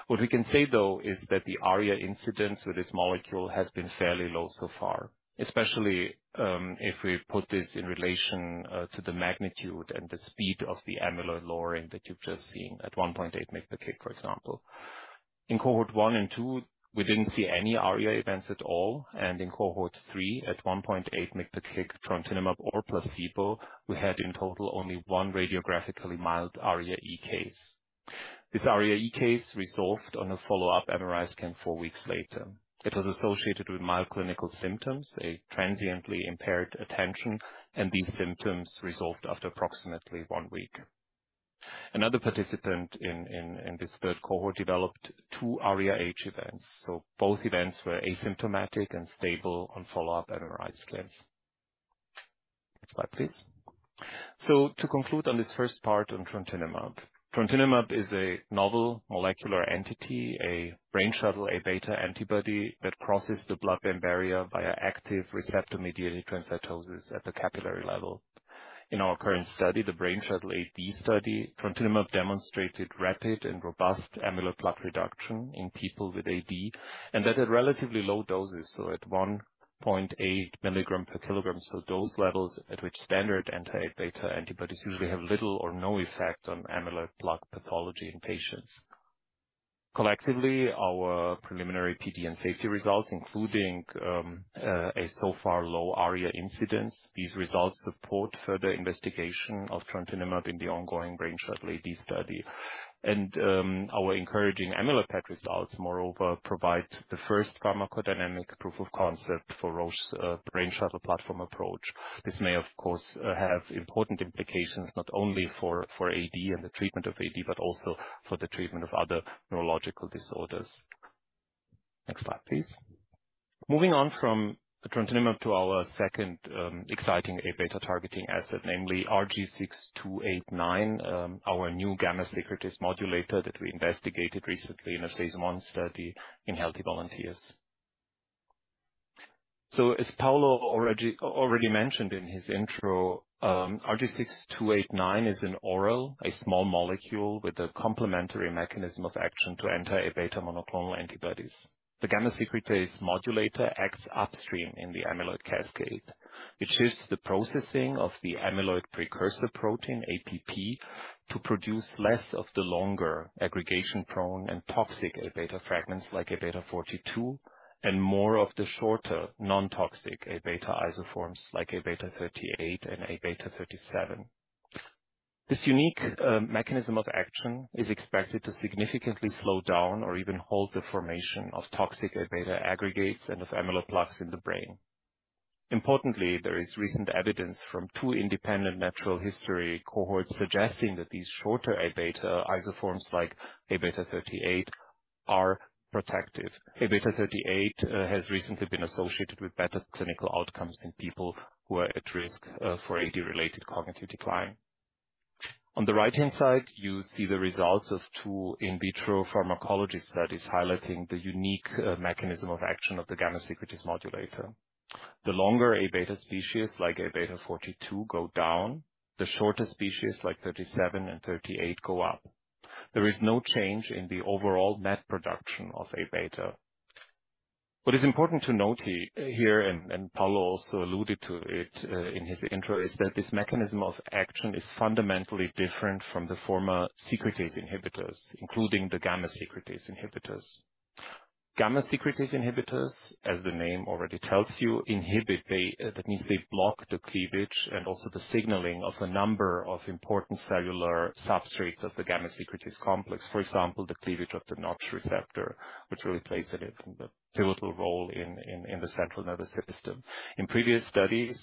[SPEAKER 5] What we can say, though, is that the ARIA incidence of this molecule has been fairly low so far, especially if we put this in relation to the magnitude and the speed of the amyloid lowering that you've just seen at 1.8 mg/kg, for example. In cohort one and two, we didn't see any ARIA events at all, and in cohort three, at 1.8 mg/kg trontinemab or placebo, we had in total only one radiographically mild ARIA-E case... This ARIA-E case resolved on a follow-up MRI scan four weeks later. It was associated with mild clinical symptoms, a transiently impaired attention, and these symptoms resolved after approximately one week. Another participant in this third cohort developed two ARIA-H events, so both events were asymptomatic and stable on follow-up MRI scans. Next slide, please. So to conclude on this first part on trontinemab. Trontinemab is a novel molecular entity, a brain shuttle, A-beta antibody that crosses the blood-brain barrier via active receptor-mediated transcytosis at the capillary level. In our current study, the Brain Shuttle AD study, trontinemab demonstrated rapid and robust amyloid plaque reduction in people with AD, and at a relatively low doses, so at 1.8 mg/kg, so dose levels at which standard anti-Aβ antibodies usually have little or no effect on amyloid plaque pathology in patients. Collectively, our preliminary PD and safety results, including a so far low ARIA incidence, these results support further investigation of trontinemab in the ongoing Brain Shuttle AD study. And our encouraging amyloid PET results, moreover, provide the first pharmacodynamic proof of concept for Roche's Brain Shuttle platform approach. This may, of course, have important implications, not only for AD and the treatment of AD, but also for the treatment of other neurological disorders. Next slide, please. Moving on from the trontinemab to our second, exciting Aβ targeting asset, namely RG6289, our new gamma secretase modulator that we investigated recently in a phase I study in healthy volunteers. So as Paulo already mentioned in his intro, RG6289 is an oral small molecule with a complementary mechanism of action to anti-Aβ monoclonal antibodies. The gamma secretase modulator acts upstream in the amyloid cascade. It shifts the processing of the amyloid precursor protein, APP, to produce less of the longer aggregation-prone and toxic Aβ fragments, like Aβ 42, and more of the shorter, non-toxic Aβ isoforms, like Aβ 38 and Aβ 37. This unique mechanism of action is expected to significantly slow down or even halt the formation of toxic Aβ aggregates and of amyloid plaques in the brain. Importantly, there is recent evidence from two independent natural history cohorts suggesting that these shorter Aβ isoforms, like Aβ38, are protective. Aβ38 has recently been associated with better clinical outcomes in people who are at risk for AD-related cognitive decline. On the right-hand side, you see the results of two in vitro pharmacology studies highlighting the unique mechanism of action of the gamma secretase modulator. The longer Aβ species, like Aβ42, go down, the shorter species, like 37 and 38, go up. There is no change in the overall net production of Aβ. What is important to note here, and Paulo also alluded to it in his intro, is that this mechanism of action is fundamentally different from the former secretase inhibitors, including the gamma secretase inhibitors. Gamma secretase inhibitors, as the name already tells you, inhibit, they, that means they block the cleavage and also the signaling of a number of important cellular substrates of the gamma secretase complex. For example, the cleavage of the Notch receptor, which plays a pivotal role in the central nervous system. In previous studies,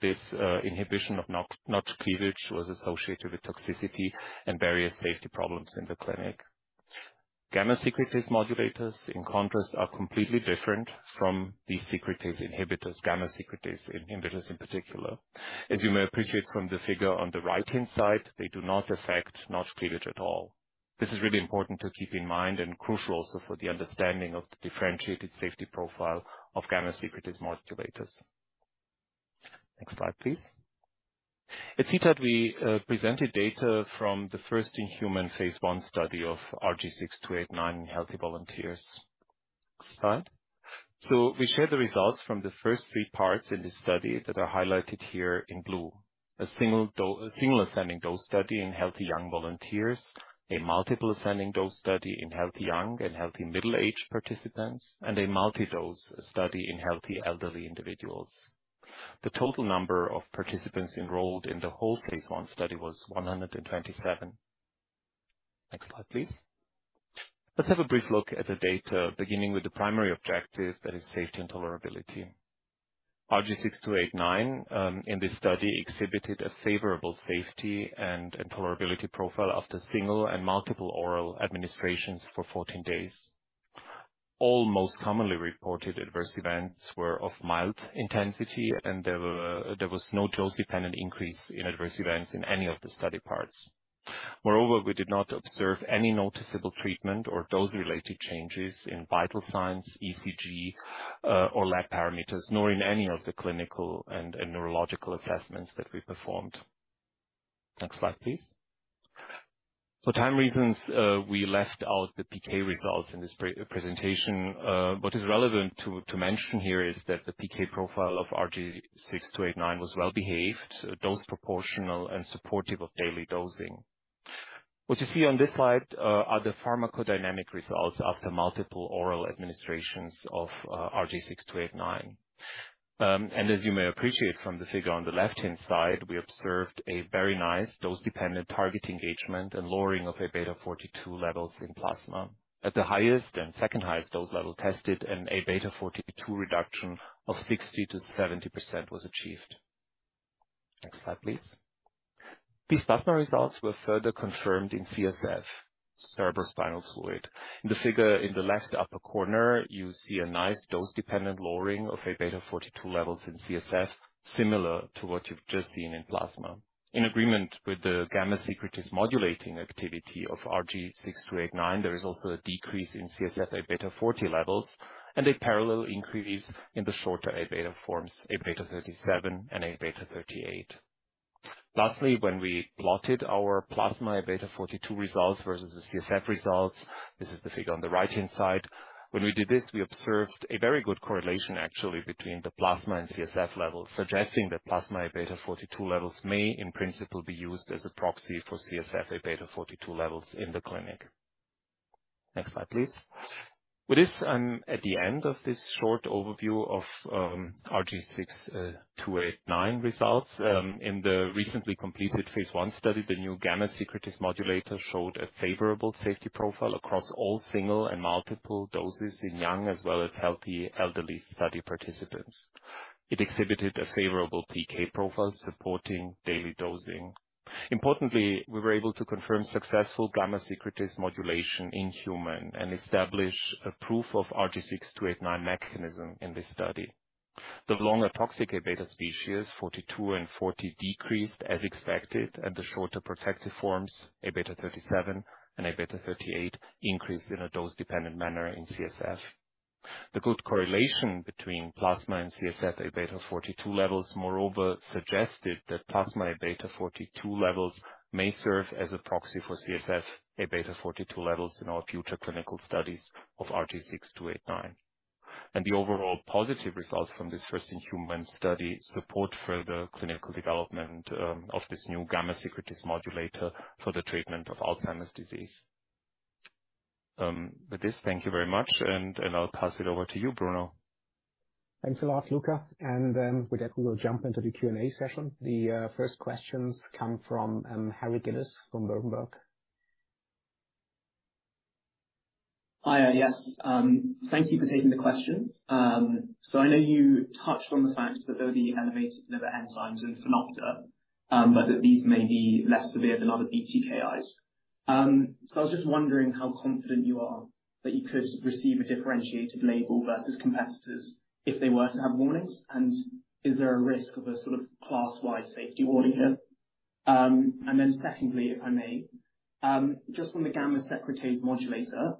[SPEAKER 5] this inhibition of Notch cleavage was associated with toxicity and various safety problems in the clinic. Gamma secretase modulators, in contrast, are completely different from the secretase inhibitors, gamma secretase inhibitors in particular. As you may appreciate from the figure on the right-hand side, they do not affect Notch cleavage at all. This is really important to keep in mind, and crucial also for the understanding of the differentiated safety profile of gamma secretase modulators. Next slide, please. At ECTRIMS, we presented data from the first in-human phase I study of RG6289 in healthy volunteers. Next slide. So we share the results from the first three parts in this study that are highlighted here in blue. A single dose, a single ascending dose study in healthy young volunteers, a multiple ascending dose study in healthy young and healthy middle-aged participants, and a multi-dose study in healthy elderly individuals. The total number of participants enrolled in the whole phase I study was 127. Next slide, please. Let's have a brief look at the data, beginning with the primary objective, that is safety and tolerability. RG6289 in this study exhibited a favorable safety and tolerability profile after single and multiple oral administrations for 14 days. All most commonly reported adverse events were of mild intensity, and there was no dose-dependent increase in adverse events in any of the study parts. Moreover, we did not observe any noticeable treatment or dose-related changes in vital signs, ECG, or lab parameters, nor in any of the clinical and neurological assessments that we performed. Next slide, please. For time reasons, we left out the PK results in this presentation. What is relevant to mention here is that the PK profile of RG6289 was well-behaved, dose proportional and supportive of daily dosing. What you see on this slide are the pharmacodynamic results after multiple oral administrations of RG6289. And as you may appreciate from the figure on the left-hand side, we observed a very nice dose-dependent target engagement and lowering of A-beta 42 levels in plasma. At the highest and second highest dose level tested, an Aβ-42 reduction of 60%-70% was achieved. Next slide, please. These plasma results were further confirmed in CSF, cerebrospinal fluid. In the figure in the left upper corner, you see a nice dose-dependent lowering of Aβ-42 levels in CSF, similar to what you've just seen in plasma. In agreement with the gamma secretase modulating activity of RG6289, there is also a decrease in CSF Aβ-40 levels and a parallel increase in the shorter Aβ forms, Aβ-37 and Aβ-38. Lastly, when we plotted our plasma Aβ-42 results versus the CSF results, this is the figure on the right-hand side. When we did this, we observed a very good correlation actually between the plasma and CSF levels, suggesting that plasma Aβ-42 levels may, in principle, be used as a proxy for CSF Aβ-42 levels in the clinic. Next slide, please. With this, I'm at the end of this short overview of RG6289 results. In the recently completed phase I study, the new gamma secretase modulator showed a favorable safety profile across all single and multiple doses in young as well as healthy elderly study participants. It exhibited a favorable PK profile supporting daily dosing. Importantly, we were able to confirm successful gamma secretase modulation in human and establish a proof of RG6289 mechanism in this study. The longer toxic A-beta species, 42 and 40, decreased as expected, and the shorter protective forms, Aβ-37 and Aβ-38, increased in a dose-dependent manner in CSF. The good correlation between plasma and CSF Aβ-42 levels, moreover, suggested that plasma Aβ-42 levels may serve as a proxy for CSF Aβ-42 levels in our future clinical studies of RG6289. And the overall positive results from this first in-human study support further clinical development of this new gamma secretase modulator for the treatment of Alzheimer's disease. With this, thank you very much, and I'll pass it over to you, Bruno.
[SPEAKER 2] Thanks a lot, Luka, and with that, we will jump into the Q&A session. The first questions come from Harry Gillis from Berenberg.
[SPEAKER 6] Hi, yes. Thank you for taking the question. So I know you touched on the fact that there were the elevated liver enzymes in Synocta, but that these may be less severe than other BTKIs. So I was just wondering how confident you are that you could receive a differentiated label versus competitors if they were to have warnings, and is there a risk of a sort of class-wide safety warning here? And then secondly, if I may, just on the gamma secretase modulator,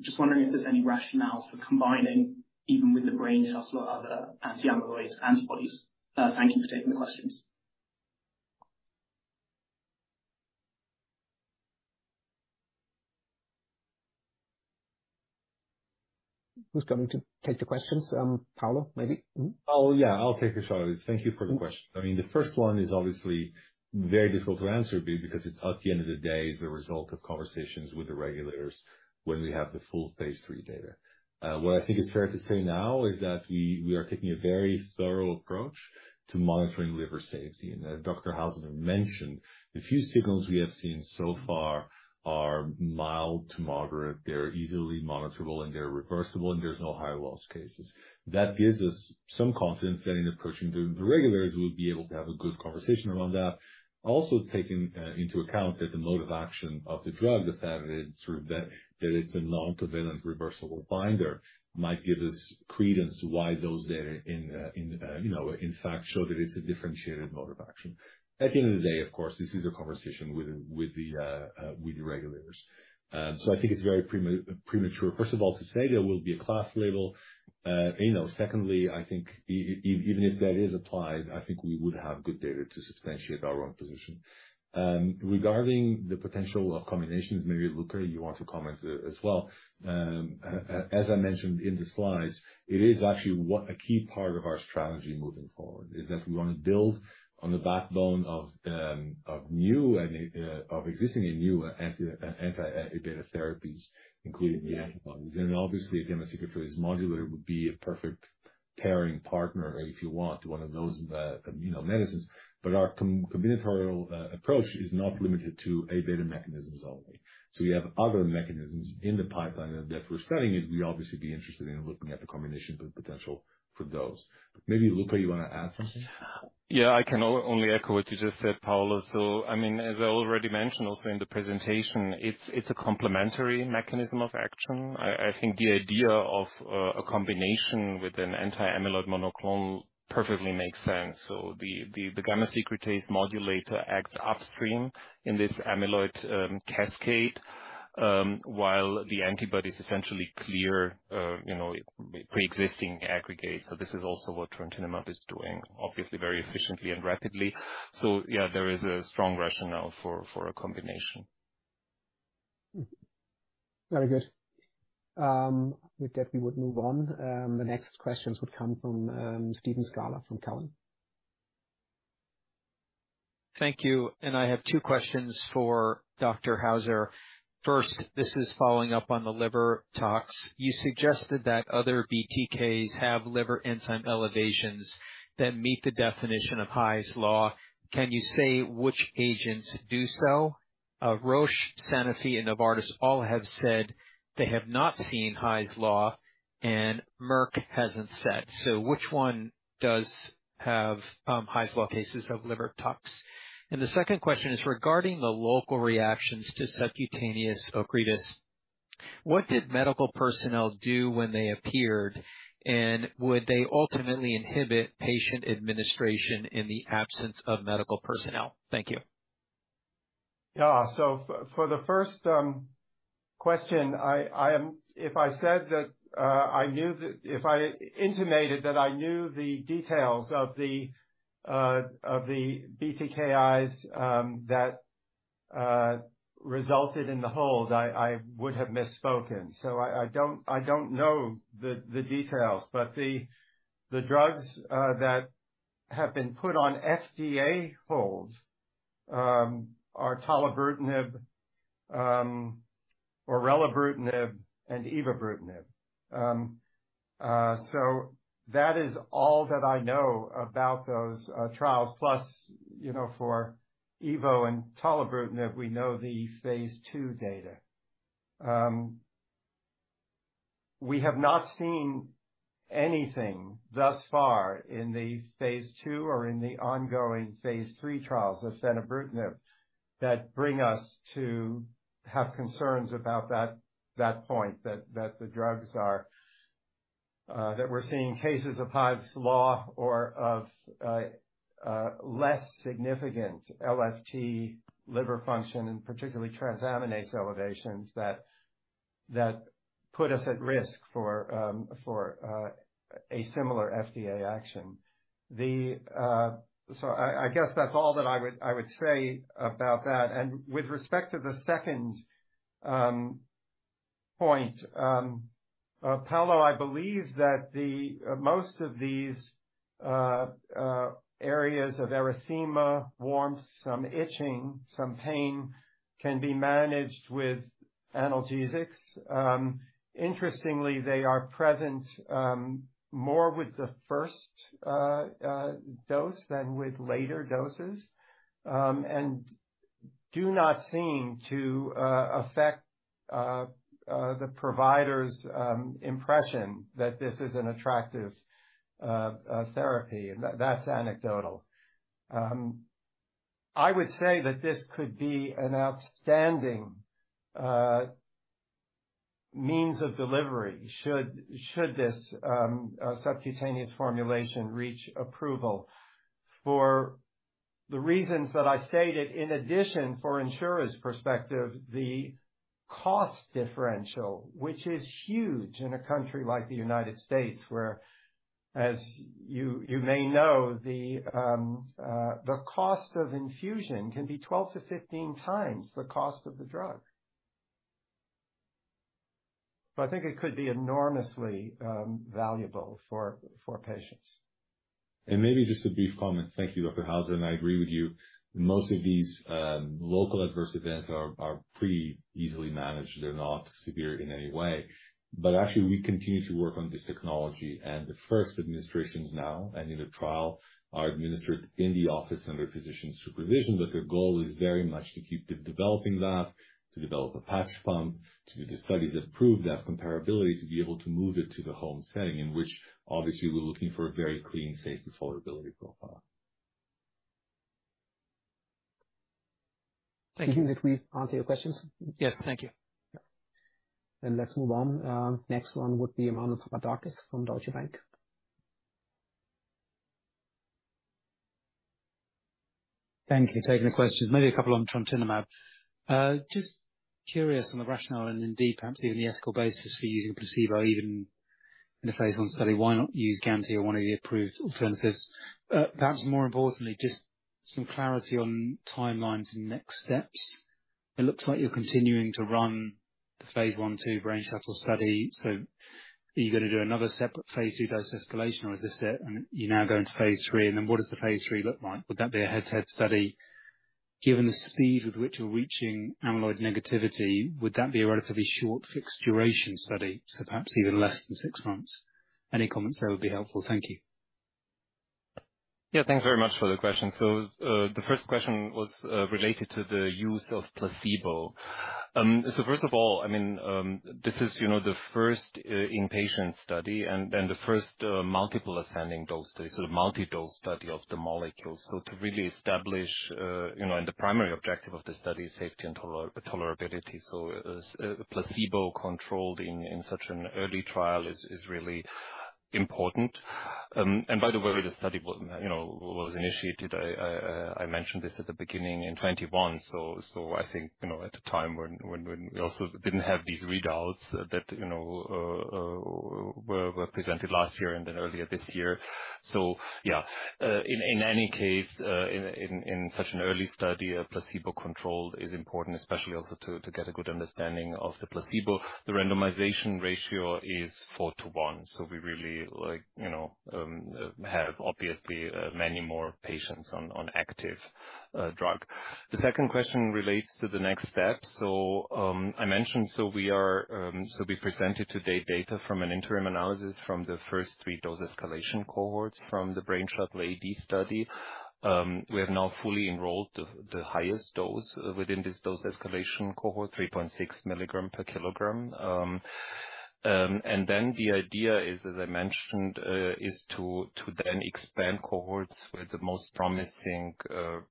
[SPEAKER 6] just wondering if there's any rationales for combining even with the brain shuttle and also other anti-amyloid antibodies. Thank you for taking the questions.
[SPEAKER 2] Who's going to take the questions? Paulo, maybe?
[SPEAKER 3] Oh, yeah, I'll take a shot at it. Thank you for the question. I mean, the first one is obviously very difficult to answer because it, at the end of the day, is a result of conversations with the regulators when we have the full phase III data. What I think is fair to say now is that we are taking a very thorough approach to monitoring liver safety. And as Dr. Hauser mentioned, the few signals we have seen so far are mild to moderate. They're easily monitorable, and they're reversible, and there's no Hy's Law cases. That gives us some confidence that in approaching the regulators, we'll be able to have a good conversation around that. Also, taking into account that the mode of action of the drug, the fact that it's, sort of that, that it's a non-covalent reversible binder, might give us credence to why those data in, you know, in fact, show that it's a differentiated mode of action. At the end of the day, of course, this is a conversation with the regulators. So I think it's very premature, first of all, to say there will be a class label. You know, secondly, I think even if that is applied, I think we would have good data to substantiate our own position. Regarding the potential of combinations, maybe, Luka, you want to comment as well. As I mentioned in the slides, it is actually one... A key part of our strategy moving forward is that we want to build on the backbone of existing and new anti-A-beta therapies, including the antibodies. And obviously, a gamma secretase modulator would be a perfect pairing partner, if you want, to one of those, you know, medicines. But our combinatorial approach is not limited to A-beta mechanisms only. So we have other mechanisms in the pipeline that we're studying, and we'd obviously be interested in looking at the combination potential for those. Maybe, Luka, you want to add something?
[SPEAKER 5] Yeah, I can only echo what you just said, Paulo. So I mean, as I already mentioned also in the presentation, it's a complementary mechanism of action. I think the idea of a combination with an anti-amyloid monoclonal perfectly makes sense. So the gamma secretase modulator acts upstream in this amyloid cascade while the antibodies essentially clear you know pre-existing aggregates. So this is also what trontinemab is doing, obviously, very efficiently and rapidly. So yeah, there is a strong rationale for a combination.
[SPEAKER 2] Mm-hmm. Very good. With that, we would move on. The next questions would come from Steve Scala from Cowen.
[SPEAKER 7] ...Thank you, and I have two questions for Dr. Hauser. First, this is following up on the liver tox. You suggested that other BTKs have liver enzyme elevations that meet the definition of Hy's Law. Can you say which agents do so? Roche, Sanofi, and Novartis all have said they have not seen Hy's Law, and Merck hasn't said. So which one does have Hy's Law cases of liver tox? And the second question is regarding the local reactions to subcutaneous Ocrevus. What did medical personnel do when they appeared, and would they ultimately inhibit patient administration in the absence of medical personnel? Thank you.
[SPEAKER 4] Yeah. For the first question, I, I am—if I said that I knew the... If I intimated that I knew the details of the, of the BTKIs, that resulted in the hold, I, I would have misspoken. I don't, I don't know the details, but the drugs that have been put on FDA hold are tolebrutinib, or orelabrutinib and ibrutinib. That is all that I know about those trials. Plus, you know, for Ivo and tolebrutinib, we know the phase II data. We have not seen anything thus far in the phase II or in the ongoing phase III trials of Fenebrutinib, that bring us to have concerns about that point, that the drugs are that we're seeing cases of Hy's Law or of less significant LFT liver function, and particularly transaminase elevations, that put us at risk for a similar FDA action. So I guess that's all that I would say about that. And with respect to the second point, Paulo, I believe that the most of these areas of erythema, warmth, some itching, some pain, can be managed with analgesics. Interestingly, they are present more with the first dose than with later doses. and do not seem to affect the provider's impression that this is an attractive therapy, and that's anecdotal. I would say that this could be an outstanding means of delivery, should this subcutaneous formulation reach approval. For the reasons that I stated, in addition, for insurer's perspective, the cost differential, which is huge in a country like the United States, where, as you may know, the cost of infusion can be 12-15x the cost of the drug. I think it could be enormously valuable for patients.
[SPEAKER 5] Maybe just a brief comment. Thank you, Dr. Hauser, and I agree with you. Most of these local adverse events are pretty easily managed. They're not severe in any way. But actually, we continue to work on this technology, and the first administrations now, and in the trial, are administered in the office under physician supervision. But the goal is very much to keep de-developing that, to develop a patch pump, to do the studies that prove that comparability, to be able to move it to the home setting, in which obviously we're looking for a very clean, safe, and tolerability profile.
[SPEAKER 7] Thank you.
[SPEAKER 2] Did we answer your questions?
[SPEAKER 7] Yes. Thank you.
[SPEAKER 2] Yeah. Then let's move on. Next one would be Emmanuel Papadakis from Deutsche Bank.
[SPEAKER 8] Thank you for taking the questions. Maybe a couple on Trontinemab. Just curious on the rationale and indeed perhaps even the ethical basis for using a placebo, even in a phase I study. Why not use gantenerumab or one of the approved alternatives? Perhaps more importantly, just some clarity on timelines and next steps. It looks like you're continuing to run the phase I and II Brain Shuttle study, so are you going to do another separate phase II dose escalation, or is this it, and you're now going to phase III? And then what does the phase III look like? Would that be a head-to-head study? Given the speed with which you're reaching amyloid negativity, would that be a relatively short fixed duration study, so perhaps even less than six months? Any comments there would be helpful. Thank you.
[SPEAKER 5] Yeah, thanks very much for the question. The first question was related to the use of placebo. First of all, I mean, this is the first inpatient study and the first multiple ascending dose study, so the multi-dose study of the molecule. To really establish, you know, and the primary objective of the study is safety and tolerability. A placebo-controlled in such an early trial is really important. By the way, the study was initiated, I mentioned this at the beginning, in 2021, so I think, you know, at the time when we also didn't have these readouts that were presented last year and then earlier this year. Yeah, in any case, in such an early study, a placebo control is important, especially also to get a good understanding of the placebo. The randomization ratio is four to one, so we really, you know, have obviously many more patients on active drug. The second question relates to the next step. I mentioned, we are, we presented today data from an interim analysis from the first three dose escalation cohorts from the Brain Shuttle AD study. We have now fully enrolled the highest dose within this dose escalation cohort, 3.6 mg/kg, and then the idea is, as I mentioned, to then expand cohorts with the most promising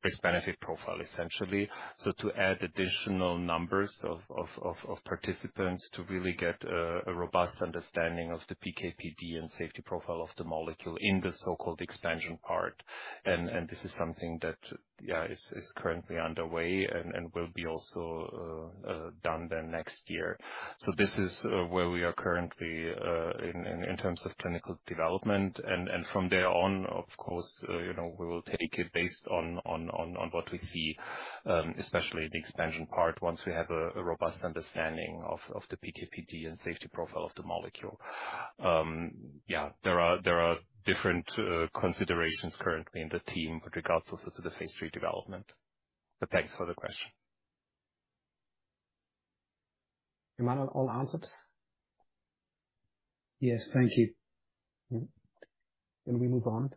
[SPEAKER 5] risk-benefit profile, essentially. So to add additional numbers of participants to really get a robust understanding of the PK/PD and safety profile of the molecule in the so-called expansion part. And this is something that is currently underway and will also be done next year. So this is where we are currently in terms of clinical development. And from there on, of course, you know, we will take it based on what we see. There are different considerations currently in the team with regards also to the phase III development. But thanks for the question.
[SPEAKER 2] Emmanuel, all answered?
[SPEAKER 8] Yes, thank you.
[SPEAKER 2] Then we move on.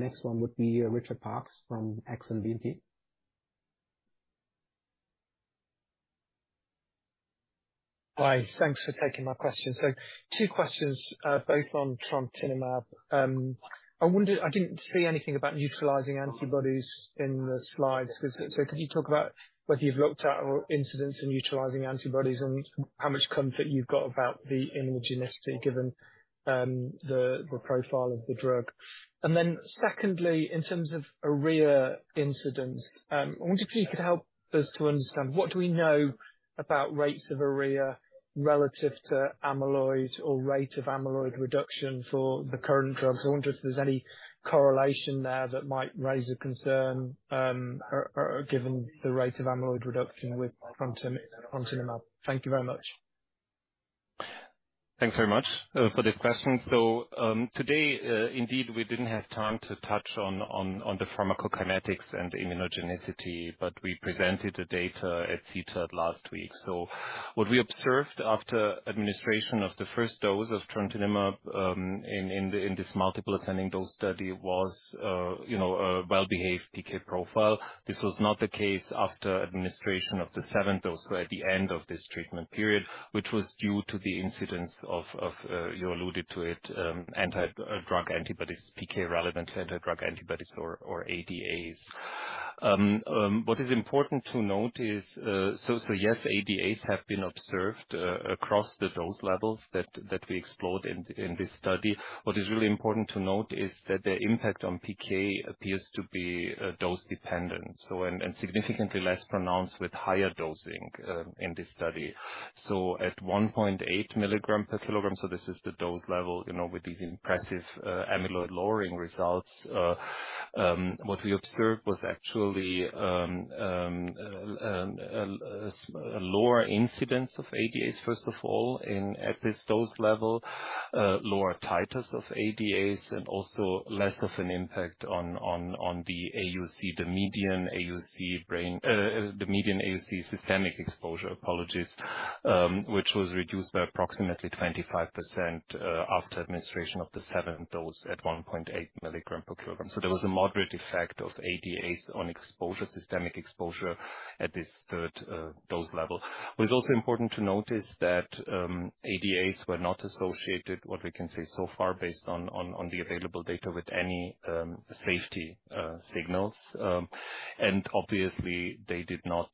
[SPEAKER 2] Next one would be, Richard Parkes from Exane BNP Paribas.
[SPEAKER 9] Hi, thanks for taking my question. So two questions, both on trontinemab. I wondered, I didn't see anything about neutralizing antibodies in the slides. So could you talk about whether you've looked at the incidence of neutralizing antibodies, and how much comfort you've got about the immunogenicity, given the profile of the drug? And then secondly, in terms of ARIA incidence, I wonder if you could help us to understand what we know about rates of ARIA relative to amyloid removal rate of amyloid reduction for the current drugs. I wonder if there's any correlation there that might raise a concern, or given the rate of amyloid reduction with trontinemab. Thank you very much.
[SPEAKER 5] Thanks very much for this question. Today, indeed, we didn't have time to touch on the pharmacokinetics and immunogenicity, but we presented the data at CTAD last week. What we observed after administration of the first dose of trontinemab, you know, in this multiple ascending dose study, was a well-behaved PK profile. This was not the case after administration of the seventh dose, at the end of this treatment period, which was due to the incidence of, you alluded to it, anti-drug antibodies, PK-relevant anti-drug antibodies or ADAs. What is important to note is, yes, ADAs have been observed across the dose levels that we explored in this study. What is really important to note is that their impact on PK appears to be dose dependent, and significantly less pronounced with higher dosing in this study. So at 1.8 mg/kg, this is the dose level, you know, with these impressive amyloid lowering results, what we observed was actually a lower incidence of ADAs, first of all, at this dose level, lower titers of ADAs, and also less of an impact on the AUC, the median AUC brain, the median AUC systemic exposure, apologies, which was reduced by approximately 25%, after administration of the seventh dose at 1.8 mg/kg. So there was a moderate effect of ADAs on exposure, systemic exposure, at this third dose level. What is also important to note is that ADAs were not associated, what we can say so far, based on the available data, with any safety signals. Obviously, they did not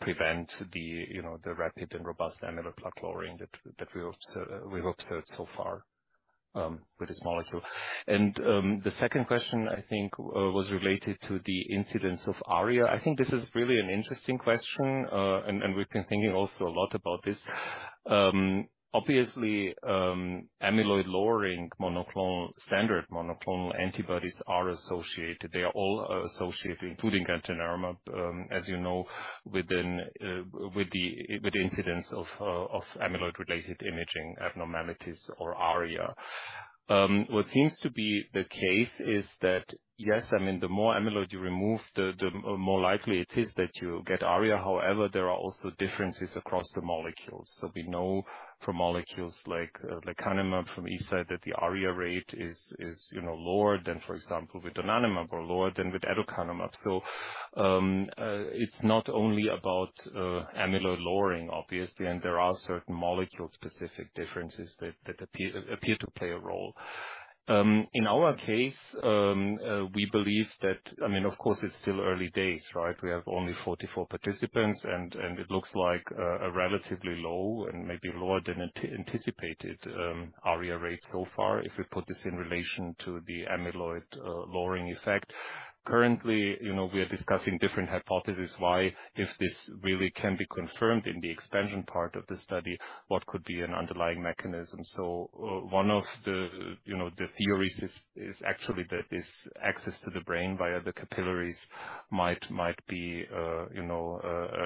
[SPEAKER 5] prevent the, you know, the rapid and robust amyloid plaque lowering that we've observed so far with this molecule. The second question, I think, was related to the incidence of ARIA. I think this is really an interesting question, and we've been thinking also a lot about this. Obviously, amyloid lowering monoclonal, standard monoclonal antibodies are associated, they are all associated, including gantenerumab, as you know, with the incidence of amyloid-related imaging abnormalities or ARIA. What seems to be the case is that, yes, I mean, the more amyloid you remove, the more likely it is that you get ARIA. However, there are also differences across the molecules. So we know from molecules like lecanemab from Eisai, that the ARIA rate is, you know, lower than, for example, with donanemab, or lower than with aducanumab. So, it's not only about amyloid lowering, obviously, and there are certain molecule-specific differences that appear to play a role. In our case, we believe that... I mean, of course, it's still early days, right? We have only 44 participants, and it looks like a relatively low and maybe lower than anticipated ARIA rate so far, if we put this in relation to the amyloid lowering effect.... Currently, you know, we are discussing different hypotheses why, if this really can be confirmed in the expansion part of the study, what could be an underlying mechanism? So, one of the, you know, the theories is actually that this access to the brain via the capillaries might be, you know,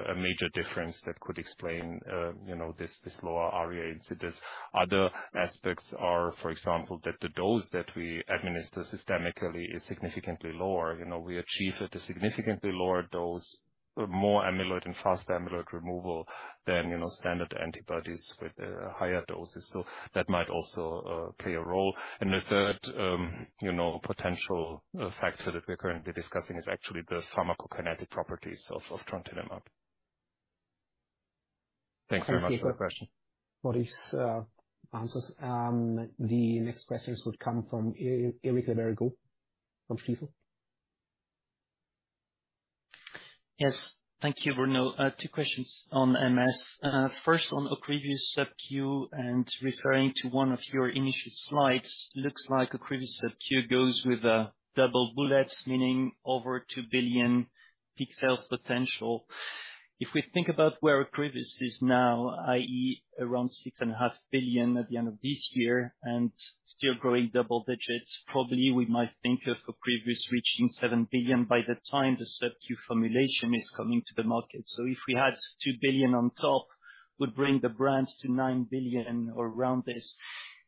[SPEAKER 5] a major difference that could explain, you know, this lower ARIA incidences. Other aspects are, for example, that the dose that we administer systemically is significantly lower. You know, we achieve at a significantly lower dose, more amyloid and faster amyloid removal than, you know, standard antibodies with higher doses, so that might also play a role. And the third, you know, potential factor that we're currently discussing is actually the pharmacokinetic properties of trontinemab. Thanks very much for the question.
[SPEAKER 2] Maurice, answers. The next questions would come from Eric Le Berrigaud from Jefferies.
[SPEAKER 10] Yes. Thank you, Bruno. Two questions on MS. First, on Ocrevus sub-Q, and referring to one of your initial slides, looks like Ocrevus sub-Q goes with a double bullet, meaning over 2 billion peak sales potential. If we think about where Ocrevus is now, i.e., around 6.5 billion at the end of this year and still growing double digits, probably we might think of Ocrevus reaching 7 billion by the time the sub-Q formulation is coming to the market. So if we had 2 billion on top, would bring the brands to 9 billion or around this.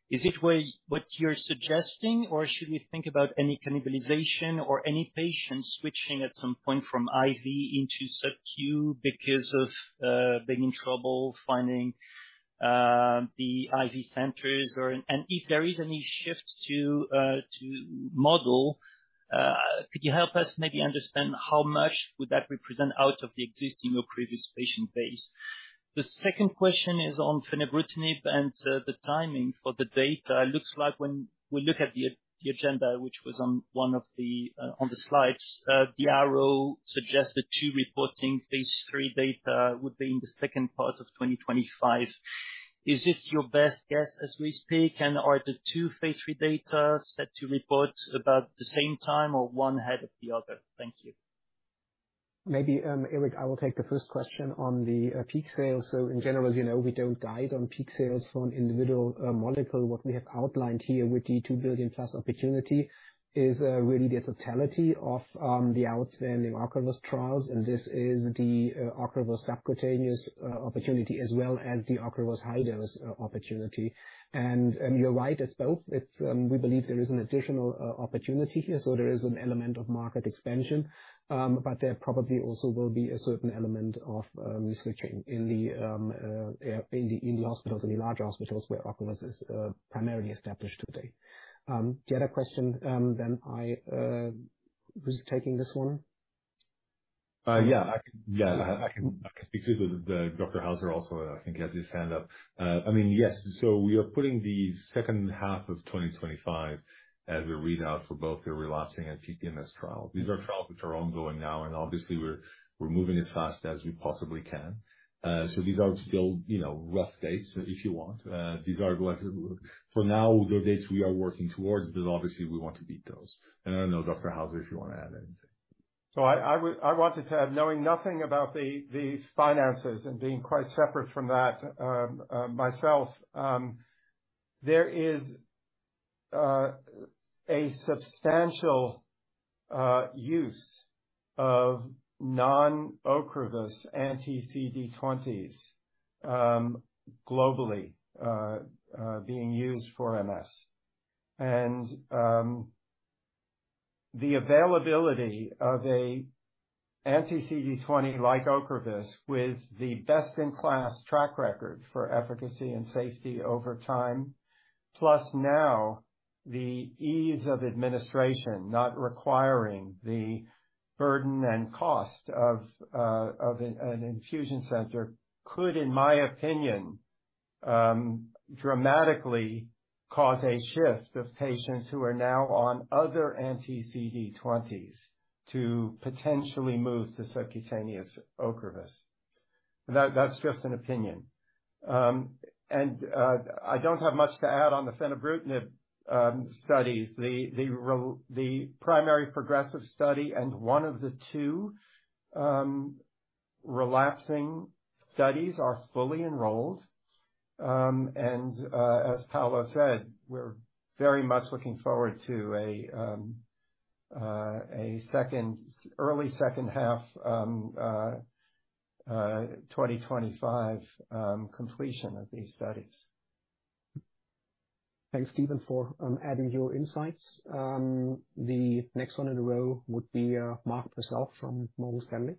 [SPEAKER 10] Is it what you're suggesting, or should we think about any cannibalization or any patients switching at some point from IV into sub-Q because of being in trouble finding the IV centers? Or, and if there is any shift to, to model, could you help us maybe understand how much would that represent out of the existing Ocrevus patient base? The second question is on fenebrutinib and, the timing for the data. It looks like when we look at the, the agenda, which was on one of the, on the slides, the arrow suggests that two reporting phase III data would be in the second part of 2025. Is this your best guess, as we speak, and are the two phase III data set to report about the same time or one ahead of the other? Thank you.
[SPEAKER 2] Maybe, Eric, I will take the first question on the, peak sales. So in general, you know, we don't guide on peak sales for an individual, molecule. What we have outlined here with the 2 billion+ opportunity is, really the totality of, the outstanding Ocrevus trials, and this is the, Ocrevus subcutaneous, opportunity, as well as the Ocrevus high-dose, opportunity. And you're right, as both, it's, we believe there is an additional, opportunity here, so there is an element of market expansion. But there probably also will be a certain element of, switching in the, in the hospitals, in the larger hospitals where Ocrevus is, primarily established today. The other question, then I, was taking this one?
[SPEAKER 5] Yeah. I can speak to the Dr. Hauser also, I think, has his hand up. I mean, yes, so we are putting the second half of 2025 as a readout for both the relapsing and PPMS trial. These are trials which are ongoing now, and obviously we're moving as fast as we possibly can. So these are still, you know, rough dates, if you want. These are, for now, the dates we are working towards, but obviously we want to beat those. And I don't know, Dr. Hauser, if you want to add anything.
[SPEAKER 4] I wanted to add, knowing nothing about the finances and being quite separate from that, myself, there is a substantial use of non-Ocrevus anti-CD20s globally being used for MS. The availability of an anti-CD20, like Ocrevus, with the best-in-class track record for efficacy and safety over time, plus now the ease of administration, not requiring the burden and cost of an infusion center, could, in my opinion, dramatically cause a shift of patients who are now on other anti-CD20s to potentially move to subcutaneous Ocrevus. That's just an opinion. I don't have much to add on the fenebrutinib studies. The primary progressive study and one of the two relapsing studies are fully enrolled. As Paulo said, we're very much looking forward to a second, early second half, 2025, completion of these studies.
[SPEAKER 2] Thanks, Stephen, for adding your insights. The next one in a row would be Mark Purcell from Morgan Stanley.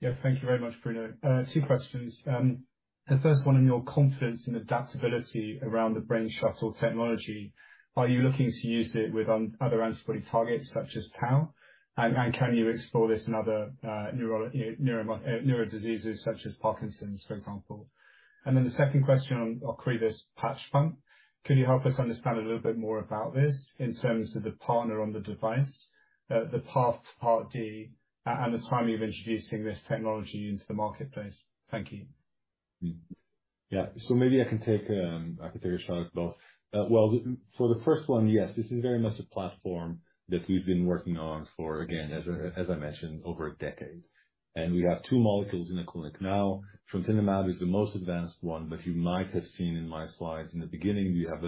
[SPEAKER 11] Thank you very much, Bruno. Two questions. The first one on your confidence in adaptability around the Brain Shuttle technology, are you looking to use it with other antibody targets, such as tau? Can you explore this in other neurodiseases, such as Parkinson's, for example? The second question on Ocrevus patch pump, can you help us understand a little bit more about this in terms of the partner on the device, the path to Part D, and the timing of introducing this technology into the marketplace? Thank you....
[SPEAKER 3] Yeah, so maybe I can take, I can take a shot at both. Well, for the first one, yes, this is very much a platform that we've been working on for, again, as I, as I mentioned, over a decade. And we have two molecules in the clinic now. Trontinemab is the most advanced one, but you might have seen in my slides in the beginning, we have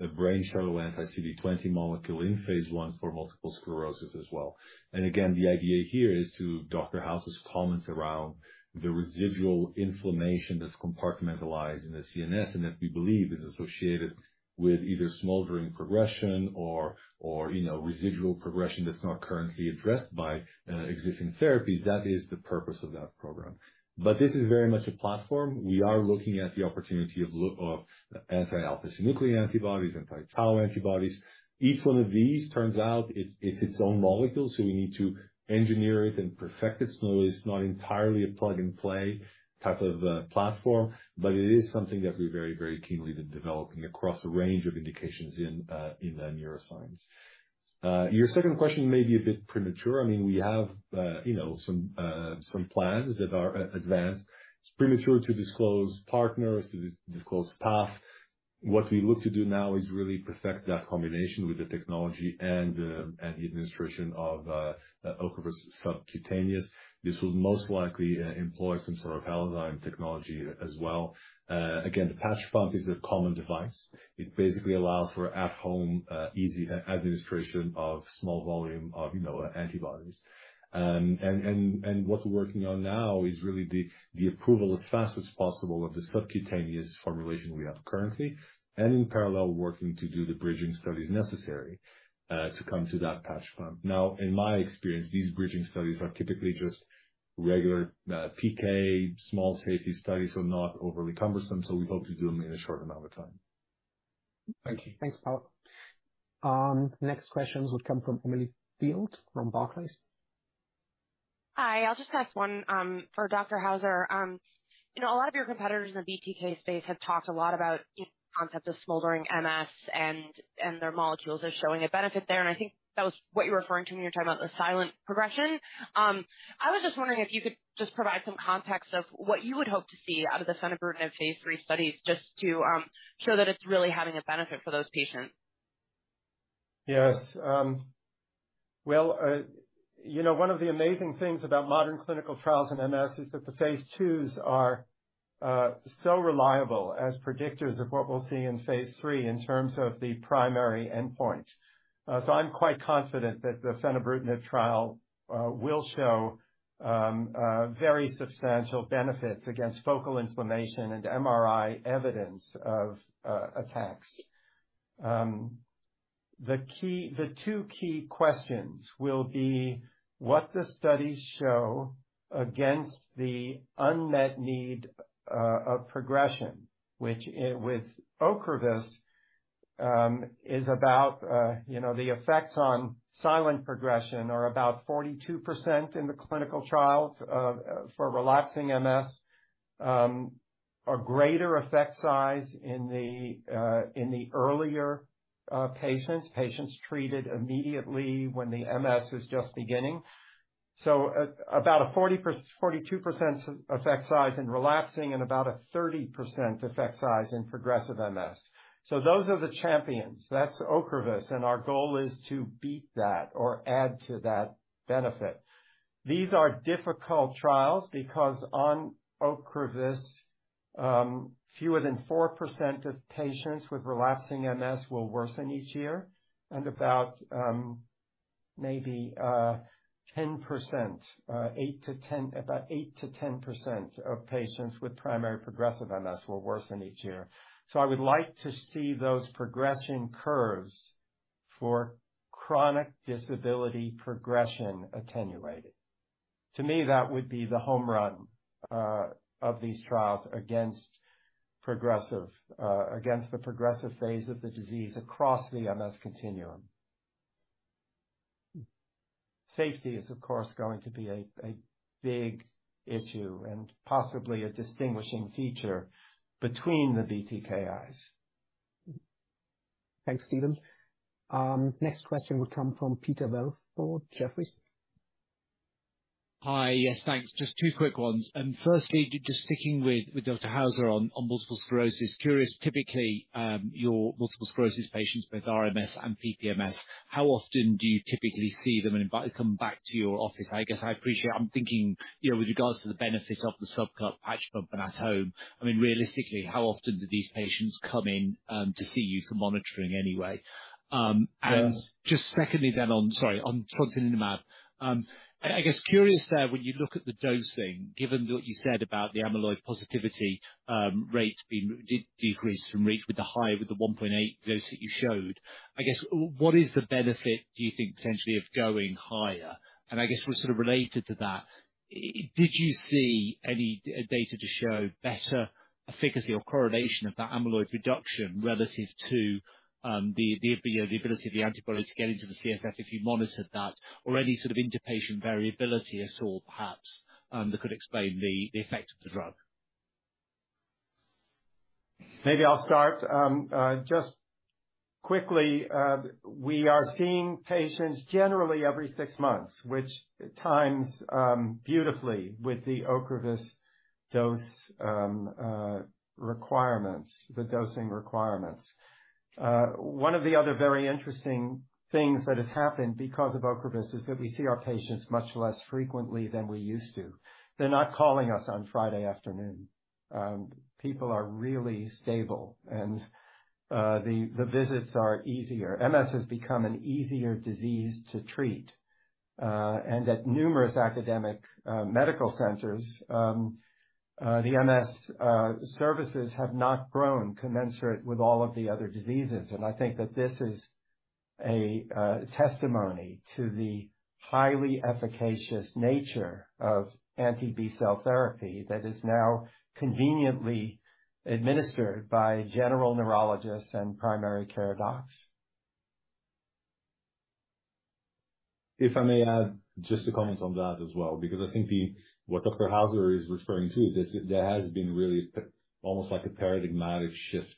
[SPEAKER 3] a brain shuttle anti-CD20 molecule in phase I for multiple sclerosis as well. And again, the idea here is to Dr. Hauser's comments around the residual inflammation that's compartmentalized in the CNS, and that we believe is associated with either smoldering progression or, or, you know, residual progression that's not currently addressed by existing therapies. That is the purpose of that program. But this is very much a platform. We are looking at the opportunity of anti-alpha synuclein antibodies, anti-tau antibodies. Each one of these turns out it's its own molecule, so we need to engineer it and perfect it. So it's not entirely a plug-and-play type of platform, but it is something that we're very, very keenly been developing across a range of indications in neuroscience. Your second question may be a bit premature. I mean, we have, you know, some plans that are advanced. It's premature to disclose partners, to disclose path. What we look to do now is really perfect that combination with the technology and the administration of Ocrevus subcutaneous. This will most likely employ some sort of Halozyme technology as well. Again, the patch pump is a common device. It basically allows for at-home, easy administration of small volume of, you know, antibodies. And what we're working on now is really the approval as fast as possible of the subcutaneous formulation we have currently, and in parallel, working to do the bridging studies necessary to come to that patch pump. Now, in my experience, these bridging studies are typically just regular PK, small safety studies, so not overly cumbersome, so we hope to do them in a short amount of time. Thank you.
[SPEAKER 2] Thanks, Paul. Next questions would come from Emily Field, from Barclays.
[SPEAKER 12] Hi, I'll just ask one for Dr. Hauser. You know, a lot of your competitors in the BTK space have talked a lot about the concept of smoldering MS, and their molecules are showing a benefit there, and I think that was what you were referring to when you were talking about the silent progression. I was just wondering if you could just provide some context of what you would hope to see out of the fenebrutinib phase III studies, just to show that it's really having a benefit for those patients.
[SPEAKER 4] Yes. Well, you know, one of the amazing things about modern clinical trials in MS is that the phase IIs are so reliable as predictors of what we'll see in phase III in terms of the primary endpoint. I'm quite confident that the Fenebrutin trial will show very substantial benefits against focal inflammation and MRI evidence of attacks. The key... The two key questions will be what the studies show against the unmet need of progression, which with Ocrevus is about, you know, the effects on silent progression are about 42% in the clinical trials for relapsing MS. A greater effect size in the earlier patients, patients treated immediately when the MS is just beginning. So about a 42% effect size in relapsing and about a 30% effect size in progressive MS. So those are the champions. That's Ocrevus, and our goal is to beat that or add to that benefit. These are difficult trials because on Ocrevus, fewer than 4% of patients with relapsing MS will worsen each year, and about maybe 8%-10% of patients with primary progressive MS will worsen each year. So I would like to see those progression curves for chronic disability progression attenuated. To me, that would be the home run of these trials against progressive against the progressive phase of the disease across the MS continuum. Safety is, of course, going to be a big issue and possibly a distinguishing feature between the BTKIs.
[SPEAKER 2] Thanks, Stephen. Next question will come from Peter Welford, Jefferies.
[SPEAKER 13] Hi. Yes, thanks. Just two quick ones. Firstly, just sticking with Dr. Hauser on multiple sclerosis. Curious, typically, your multiple sclerosis patients, both RMS and PPMS, how often do you typically see them and invite them back to your office? I guess I appreciate, I'm thinking, you know, with regards to the benefit of the subcut patch pump and at home, I mean, realistically, how often do these patients come in to see you for monitoring anyway? And-
[SPEAKER 4] Yeah.
[SPEAKER 13] Just secondly on, sorry, on prontosilimab. I guess curious there, when you look at the dosing, given what you said about the amyloid positivity rates being decreased from rate with the higher, with the 1.8 dose that you showed, I guess, what is the benefit, do you think, potentially, of going higher? I guess what's sort of related to that, did you see any data to show better efficacy or correlation of that amyloid reduction relative to the ability of the antibody to get into the CSF if you monitored that, or any sort of interpatient variability at all, perhaps, that could explain the effect of the drug?...
[SPEAKER 4] Maybe I'll start. Just quickly, we are seeing patients generally every six months, which times beautifully with the Ocrevus dose requirements, the dosing requirements. One of the other very interesting things that has happened because of Ocrevus is that we see our patients much less frequently than we used to. They're not calling us on Friday afternoon. People are really stable, and the visits are easier. MS has become an easier disease to treat. And at numerous academic medical centers, the MS services have not grown commensurate with all of the other diseases. And I think that this is a testimony to the highly efficacious nature of anti-B-cell therapy that is now conveniently administered by general neurologists and primary care docs.
[SPEAKER 3] If I may add just a comment on that as well, because I think the what Dr. Hauser is referring to, this, there has been really almost like a paradigmatic shift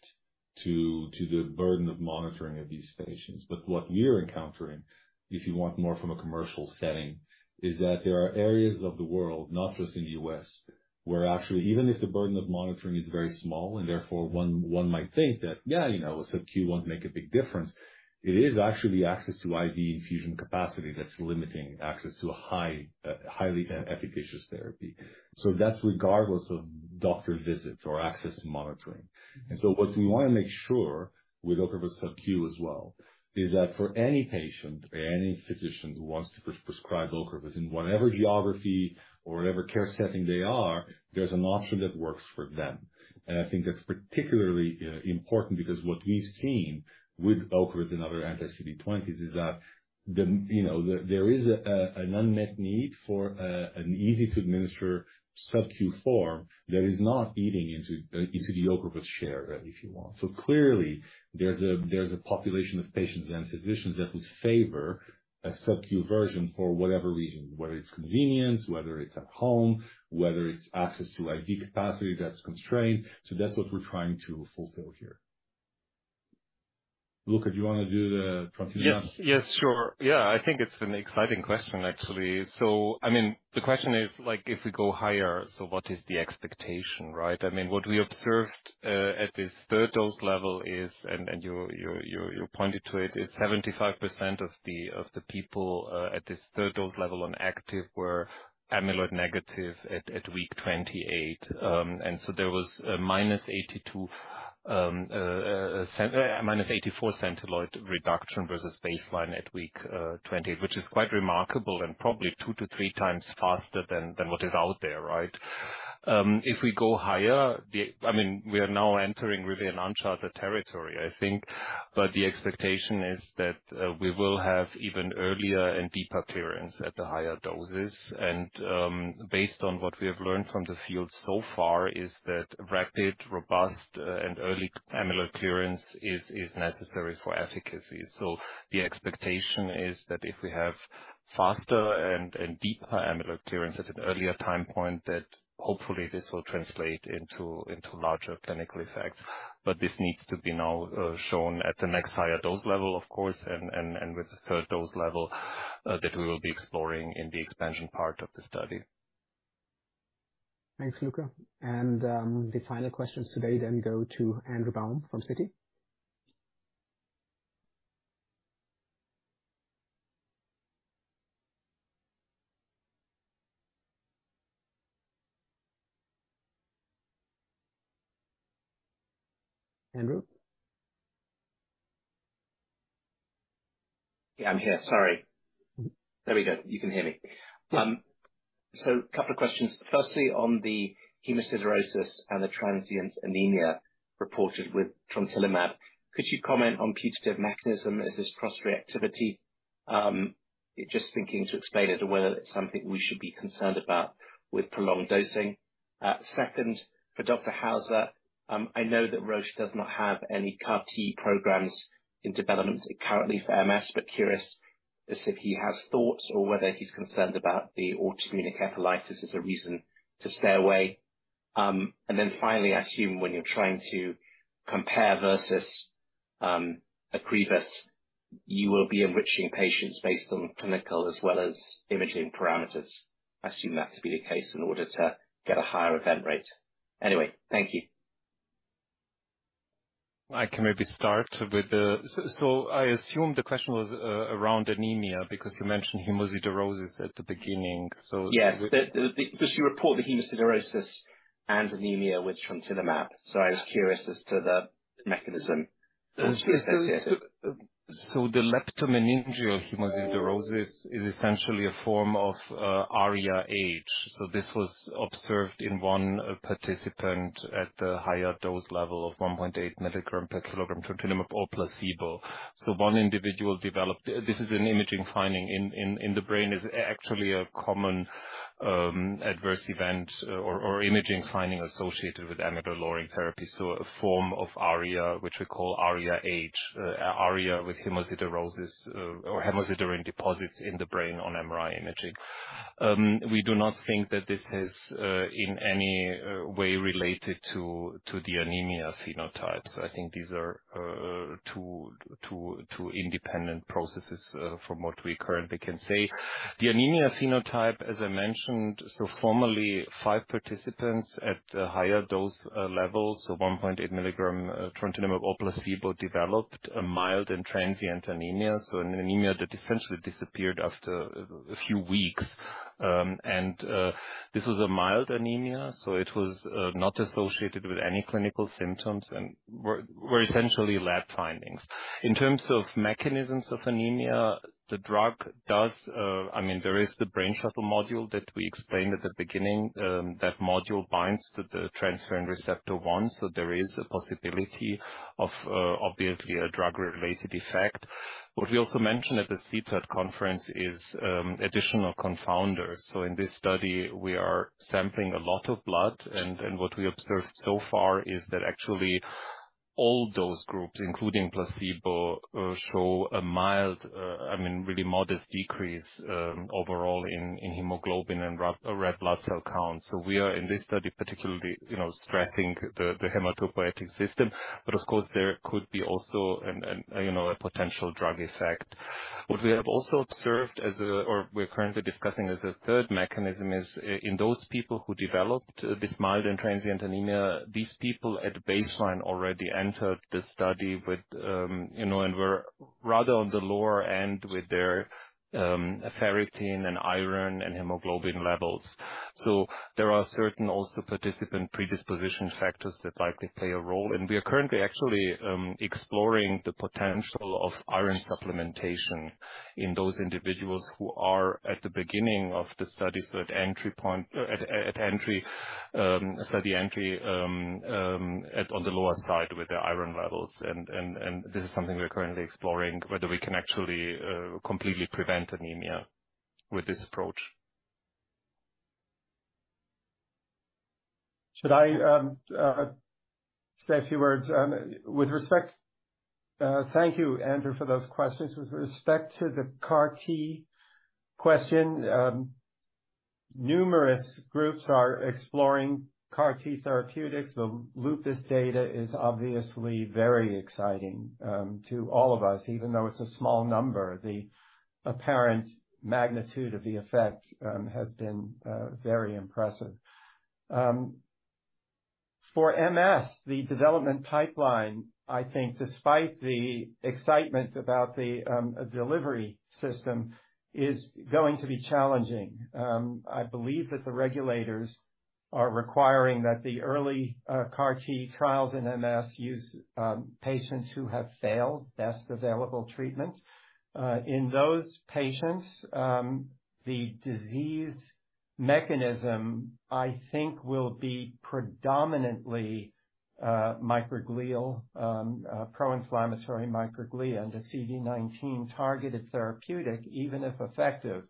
[SPEAKER 3] to the burden of monitoring of these patients. But what we're encountering, if you want more from a commercial setting, is that there are areas of the world, not just in the U.S., where actually, even if the burden of monitoring is very small, and therefore one might think that, yeah, you know, subQ won't make a big difference. It is actually access to IV infusion capacity that's limiting access to a high, highly efficacious therapy. So that's regardless of doctor visits or access to monitoring. And so what we want to make sure with Ocrevus subQ as well, is that for any patient or any physician who wants to prescribe Ocrevus, in whatever geography or whatever care setting they are, there's an option that works for them. And I think that's particularly important because what we've seen with Ocrevus and other anti-CD20 is that, you know, there is an unmet need for an easy to administer subQ form that is not eating into the Ocrevus share, if you want. So clearly, there's a population of patients and physicians that would favor a subQ version for whatever reason, whether it's convenience, whether it's at home, whether it's access to IV capacity that's constrained. So that's what we're trying to fulfill here. Luka, do you want to do the trontinemab?
[SPEAKER 5] Yes, yes, sure. Yeah, I think it's an exciting question, actually. I mean, the question is like, if we go higher, what is the expectation? Right? I mean, what we observed at this third dose level is, and you pointed to it, is 75% of the people at this third dose level on active were amyloid negative at week 28. There was a -82, a -84 centiloid reduction versus baseline at week 20, which is quite remarkable and probably 2-3x faster than what is out there, right? If we go higher, the... I mean, we are now entering really an uncharted territory, I think, but the expectation is that we will have even earlier and deeper clearance at the higher doses. And based on what we have learned from the field so far, is that rapid, robust, and early amyloid clearance is necessary for efficacy. So the expectation is that if we have faster and deeper amyloid clearance at an earlier time point, that hopefully this will translate into larger clinical effects. But this needs to be now shown at the next higher dose level, of course, and with the third dose level that we will be exploring in the expansion part of the study.
[SPEAKER 2] Thanks, Luka. The final questions today then go to Andrew Baum from Citi. Andrew?
[SPEAKER 14] Yeah, I'm here. Sorry. There we go. You can hear me.
[SPEAKER 2] Yeah.
[SPEAKER 14] So couple of questions. Firstly, on the hemosiderosis and the transient anemia reported with trontinemab, could you comment on putative mechanism? Is this cross-reactivity? Just thinking to explain it, or whether it's something we should be concerned about with prolonged dosing. Second, for Dr. Hauser, I know that Roche does not have any CAR T programs in development currently for MS, but curious just if he has thoughts or whether he's concerned about the autoimmune encephalitis as a reason to stay away. And then finally, I assume when you're trying to compare versus, Ocrevus, you will be enriching patients based on clinical as well as imaging parameters. I assume that to be the case in order to get a higher event rate. Anyway, thank you.
[SPEAKER 5] I can maybe start with the... So I assume the question was around anemia, because you mentioned hemosiderosis at the beginning, so-
[SPEAKER 14] Yes. Because you report the hemosiderosis and anemia with trontinemab, so I was curious as to the mechanism associated.
[SPEAKER 5] So the leptomeningeal hemosiderosis is essentially a form of ARIA-H. So this was observed in one participant at the higher dose level of 1.8 mg/kg trontinemab or placebo. So one individual developed. This is an imaging finding in the brain, is actually a common adverse event or imaging finding associated with amyloid-lowering therapy. So a form of ARIA, which we call ARIA-H, ARIA with hemosiderosis, or hemosiderin deposits in the brain on MRI imaging. We do not think that this is in any way related to the anemia phenotypes. I think these are two independent processes, from what we currently can say. The anemia phenotype, as I mentioned, formally, five participants at a higher dose level, 1.8 mg trontinemab or placebo, developed a mild and transient anemia, an anemia that essentially disappeared after a few weeks. This was a mild anemia, it was not associated with any clinical symptoms and were essentially lab findings. In terms of mechanisms of anemia, the drug does, I mean, there is the Brain Shuttle module that we explained at the beginning. That module binds to the transferrin receptor 1, so there is a possibility of, obviously, a drug-related effect. What we also mentioned at the CTAD conference is additional confounders. So in this study, we are sampling a lot of blood, and what we observed so far is that actually all those groups, including placebo, show a mild, I mean, really modest decrease overall in hemoglobin and red blood cell count. So we are, in this study, particularly, you know, stressing the hematopoietic system, but of course, there could be also an, you know, a potential drug effect. What we have also observed as a, or we're currently discussing as a third mechanism, is in those people who developed this mild and transient anemia, these people at baseline already entered the study with, you know, and were rather on the lower end with their ferritin and iron and hemoglobin levels. So there are certain also participant predisposition factors that likely play a role, and we are currently actually exploring the potential of iron supplementation in those individuals who are at the beginning of the study. So at entry point, at entry, study entry, on the lower side with their iron levels. And this is something we're currently exploring, whether we can actually completely prevent anemia with this approach.
[SPEAKER 4] Should I say a few words? With respect, thank you, Andrew, for those questions. With respect to the CAR T question, numerous groups are exploring CAR T therapeutics. The Lupus data is obviously very exciting to all of us, even though it's a small number. The apparent magnitude of the effect has been very impressive. For MS, the development pipeline, I think despite the excitement about the delivery system, is going to be challenging. I believe that the regulators are requiring that the early CAR T trials in MS use patients who have failed best available treatments. In those patients, the disease mechanism, I think, will be predominantly microglial, pro-inflammatory microglia. And the CD19 targeted therapeutic, even if effective,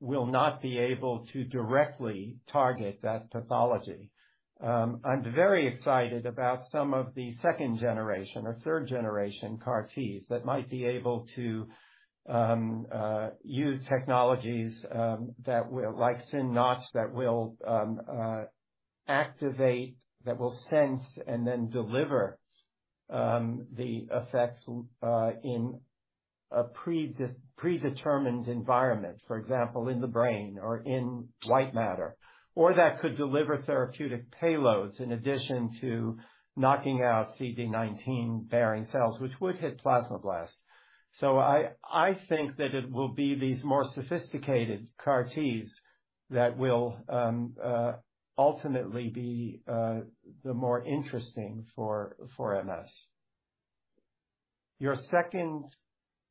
[SPEAKER 4] will not be able to directly target that pathology. I'm very excited about some of the second-generation or third-generation CAR Ts that might be able to use technologies, like synNotch, that will activate, that will sense, and then deliver the effects in a predetermined environment, for example, in the brain or in white matter, or that could deliver therapeutic payloads in addition to knocking out CD19-bearing cells, which would hit plasmablasts. I think that it will be these more sophisticated CAR Ts that will ultimately be the more interesting for MS. Your second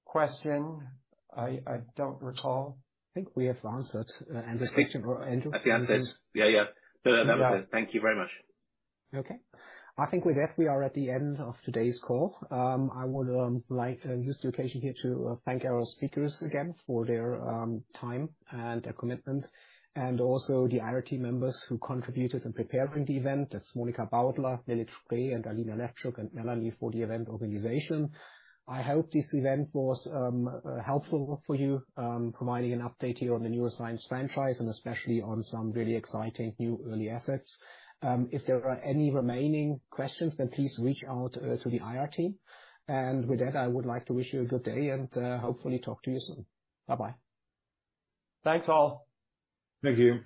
[SPEAKER 4] question, I don't recall.
[SPEAKER 2] I think we have answered Andrew's question. Andrew?
[SPEAKER 5] I think I answered.
[SPEAKER 14] Yeah, yeah. That was it. Thank you very much.
[SPEAKER 2] Okay. I think with that, we are at the end of today's call. I would like to use the occasion here to thank our speakers again for their time and their commitment, and also the IRT members who contributed in preparing the event. That's Monica Baudler, Lily Trieu, and Alina Levchuk and Melanie for the event organization. I hope this event was helpful for you, providing an update here on the neuroscience franchise and especially on some really exciting new early assets. If there are any remaining questions, then please reach out to the IR team. With that, I would like to wish you a good day, and hopefully talk to you soon. Bye-bye.
[SPEAKER 4] Thanks, all.
[SPEAKER 5] Thank you.